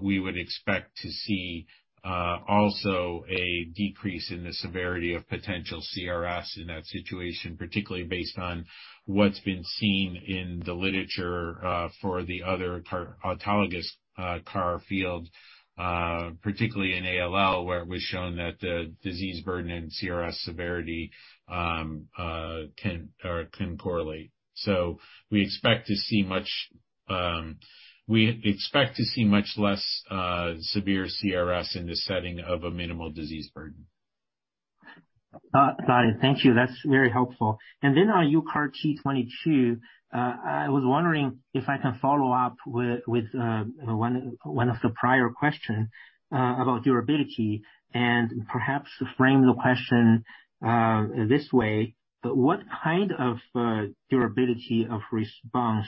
we would expect to see also a decrease in the severity of potential CRS in that situation, particularly based on what's been seen in the literature for the other autologous CAR field, particularly in ALL, where it was shown that the disease burden and CRS severity can correlate. We expect to see much less severe CRS in the setting of a minimal disease burden. Got it. Thank you. That's very helpful. Then on UCART22, I was wondering if I can follow up with one of the prior question about durability and perhaps frame the question this way. What kind of durability of response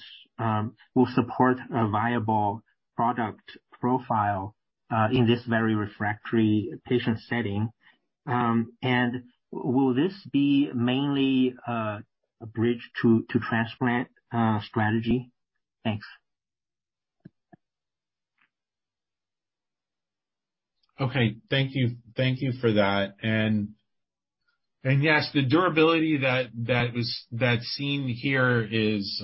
will support a viable product profile in this very refractory patient setting? Will this be mainly a bridge to transplant strategy? Thanks. Okay. Thank you. Thank you for that. Yes, the durability that's seen here is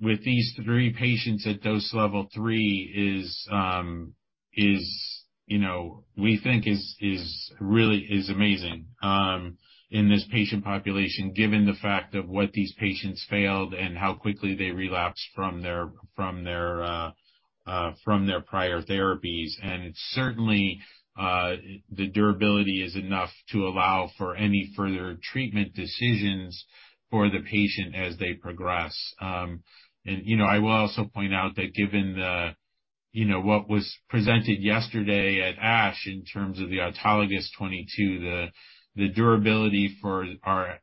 with these three patients at Dose Level 3 is, you know, we think is really amazing in this patient population, given the fact of what these patients failed and how quickly they relapsed from their prior therapies. Certainly, the durability is enough to allow for any further treatment decisions for the patient as they progress. You know, I will also point out that given the, you know, what was presented yesterday at ASH in terms of the autologous 22, the durability for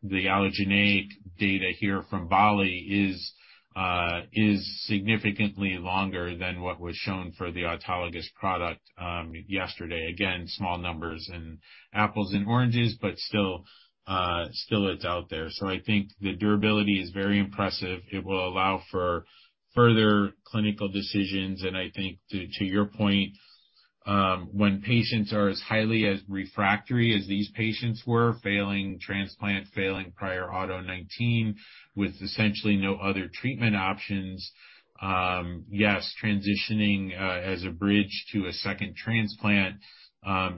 the allogeneic data here from BALLI-01 is significantly longer than what was shown for the autologous product yesterday. Again, small numbers and apples and oranges, but still it's out there. I think the durability is very impressive. It will allow for further clinical decisions. I think to your point, when patients are as highly as refractory as these patients were, failing transplant, failing prior auto CD19 with essentially no other treatment options, yes, transitioning as a bridge to a second transplant,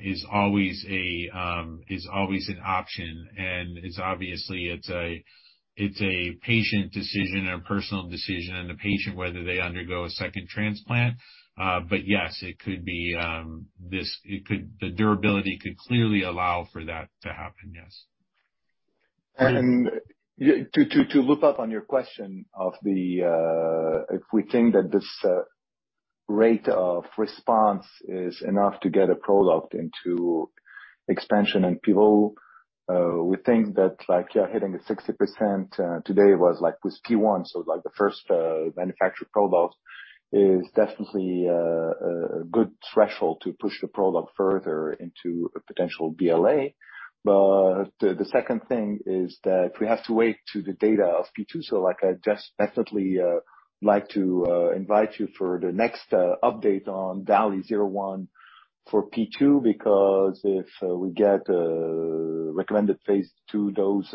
is always a, is always an option. It's obviously it's a, it's a patient decision and a personal decision on the patient whether they undergo a second transplant. But yes, it could be, the durability could clearly allow for that to happen, yes. To loop up on your question of the if we think that this rate of response is enough to get a product into expansion in people, we think that, like, yeah, hitting a 60% today was like with P1. Like the first manufactured product is definitely a good threshold to push the product further into a potential BLA. The second thing is that if we have to wait to the data of P2, like I just definitely like to invite you for the next update on BALLI-01 for P2, because if we get a recommended phase II dose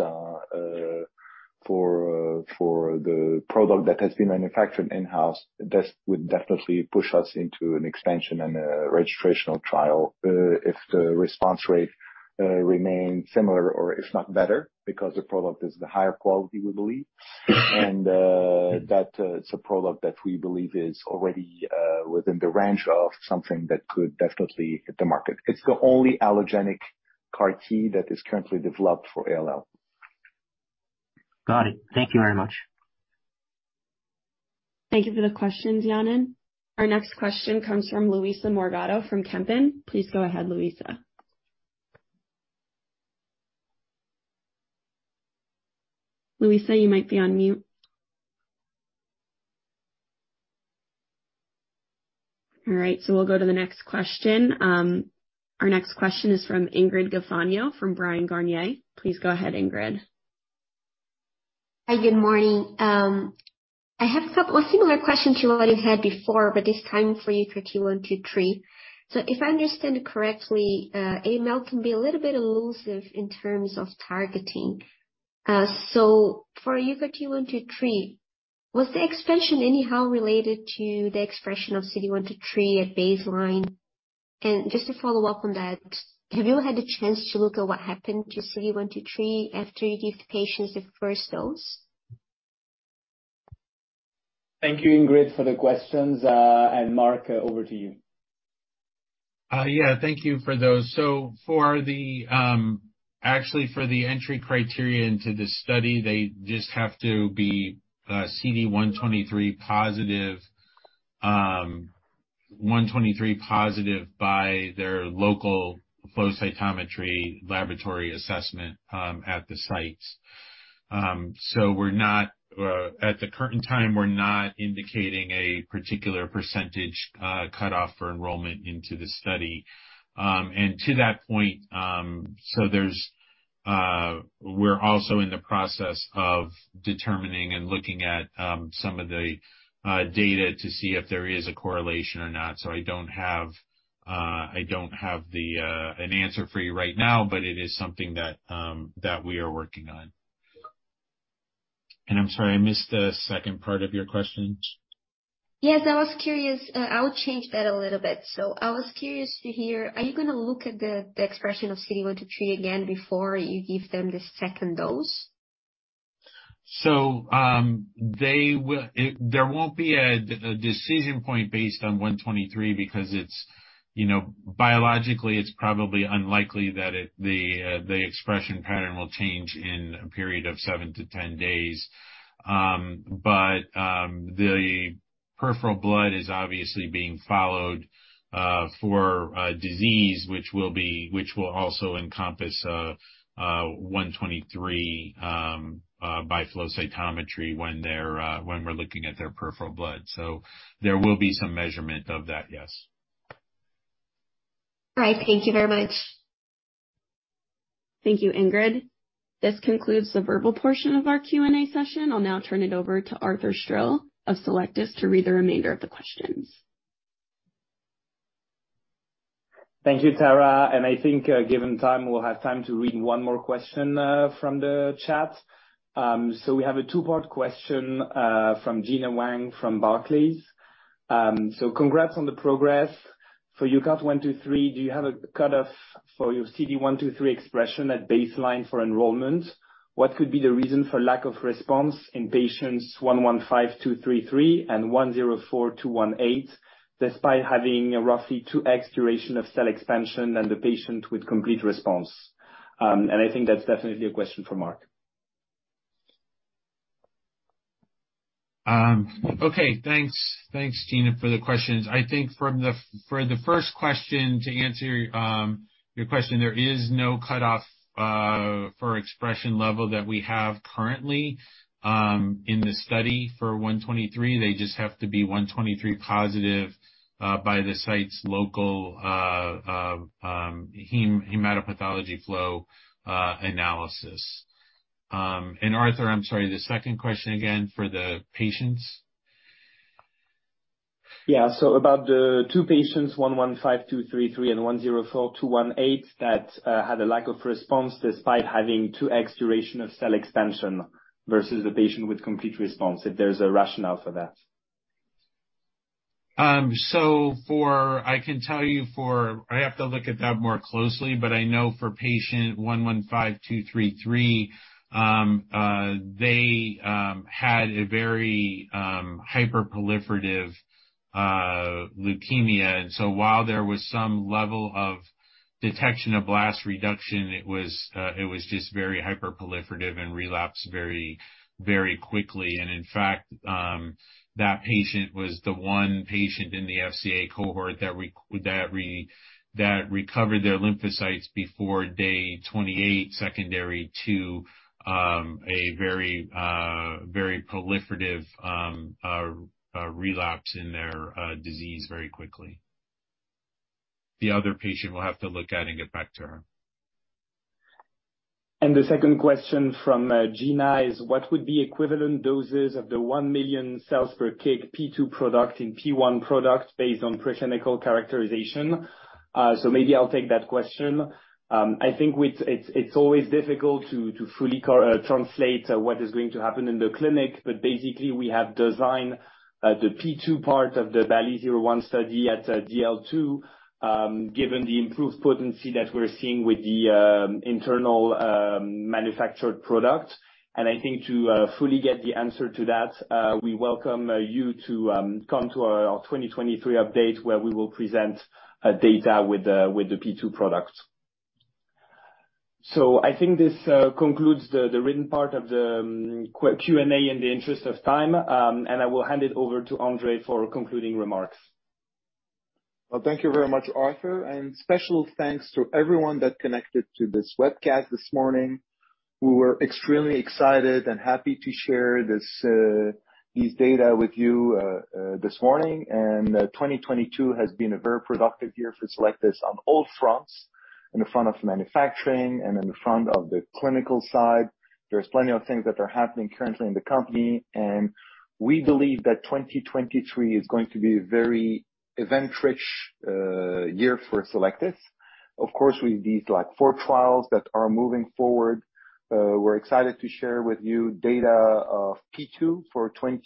for the product that has been manufactured in-house, this would definitely push us into an expansion and a registrational trial if the response rate remains similar or if not better, because the product is the higher quality, we believe. That it's a product that we believe is already within the range of something that could definitely hit the market. It's the only allogeneic CAR T that is currently developed for ALL. Got it. Thank you very much. Thank you for the question, Yanan. Our next question comes from Luisa Morgado, from Kempen. Please go ahead, Luisa. Luisa, you might be on mute. All right, we'll go to the next question. Our next question is from Ingrid Gafanhão, from Bryan, Garnier. Please go ahead, Ingrid. Hi, good morning. I have a couple of similar questions you already had before, but this time for UCART123. If I understand correctly, AML can be a little bit elusive in terms of targeting. For UCART123, was the expansion anyhow related to the expression of CD123 at baseline? Just to follow up on that, have you had a chance to look at what happened to CD123 after you give the patients the first dose? Thank you, Ingrid, for the questions. Mark, over to you. Yeah, thank you for those. For the, actually, for the entry criteria into the study, they just have to be CD123 positive, 123 positive by their local flow cytometry laboratory assessment at the sites. We're not, at the current time, we're not indicating a particular percentage cutoff for enrollment into the study. To that point, there's... We're also in the process of determining and looking at some of the data to see if there is a correlation or not. I don't have, I don't have the an answer for you right now, but it is something that we are working on. I'm sorry, I missed the second part of your question. Yes. I was curious. I'll change that a little bit. I was curious to hear, are you gonna look at the expression of CD123 again before you give them the second dose? There won't be a decision point based on one twenty-three because it's, you know, biologically, it's probably unlikely that the expression pattern will change in a period of seven to 10 days. The peripheral blood is obviously being followed for a disease which will be, which will also encompass 123 by flow cytometry when they're when we're looking at their peripheral blood. There will be some measurement of that, yes. All right. Thank you very much. Thank you, Ingrid. This concludes the verbal portion of our Q&A session. I'll now turn it over to Arthur Stril of Cellectis to read the remainder of the questions. Thank you, Tara. I think, given time, we'll have time to read one more question from the chat. We have a two-part question from Gena Wang, from Barclays. Congrats on the progress. For UCART123, do you have a cutoff for your CD123 expression at baseline for enrollment? What could be the reason for lack of response in patients 115233 and 104218, despite having roughly 2x duration of cell expansion than the patient with complete response? I think that's definitely a question for Mark. Okay. Thanks. Thanks, Gena, for the questions. I think from the, for the first question, to answer your question, there is no cutoff for expression level that we have currently in the study for UCART123. They just have to be UCART123 positive by the site's local hematopathology flow analysis. Arthur, I'm sorry, the second question again for the patients. Yeah. About the two patients, 115233 and 104218, that had a lack of response despite having 2x duration of cell expansion versus the patient with complete response, if there's a rationale for that? I have to look at that more closely, but I know for patient 115233, they had a very hyperproliferative leukemia. While there was some level of detection of blast reduction, it was just very hyperproliferative and relapsed very, very quickly. In fact, that patient was the one patient in the FCA cohort that recovered their lymphocytes before day 28, secondary to a very, very proliferative relapse in their disease very quickly. The other patient will have to look at and get back to her. The second question from Gena is what would be equivalent doses of the 1 million cells per kg P2 product in P1 product based on preclinical characterization? So maybe I'll take that question. I think It's always difficult to fully translate what is going to happen in the clinic, but basically, we have designed the P2 part of the BALLI-01 study at DL2, given the improved potency that we're seeing with the internal manufactured product. I think to fully get the answer to that, we welcome you to come to our 2023 update, where we will present data with the P2 product. I think this concludes the written part of Q&A in the interest of time. I will hand it over to André for concluding remarks. Well, thank you very much, Arthur. Special thanks to everyone that connected to this webcast this morning. We were extremely excited and happy to share this, these data with you this morning. 2022 has been a very productive year for Cellectis on all fronts, in the front of manufacturing and in the front of the clinical side. There's plenty of things that are happening currently in the company, we believe that 2023 is going to be very event-rich year for Cellectis. Of course, with these, like, four trials that are moving forward, we're excited to share with you data of P2 for 20,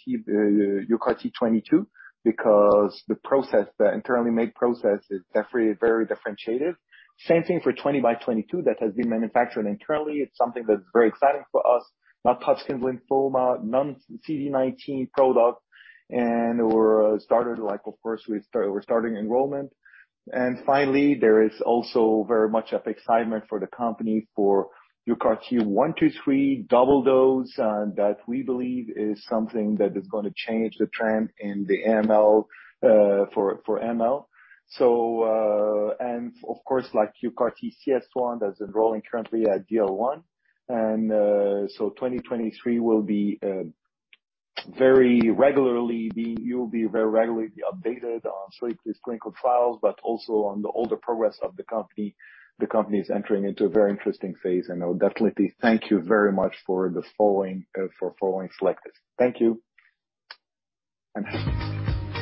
UCART22, because the process, the internally made process is definitely very differentiated. Same thing for 20 by 22 that has been manufactured internally. It's something that's very exciting for us. Non-Hodgkin lymphoma, non-CD19 product. We're started, of course we're starting enrollment. Finally, there is also very much of excitement for the company for UCART123 double dose that we believe is something that is gonna change the trend in the ML for ML. Of course UCARTCS1 that's enrolling currently at DL1. 2023 You'll be very regularly updated on IND filings, but also on the older progress of the company. The company is entering into a very interesting phase. I would definitely thank you very much for this following for following Cellectis. Thank you.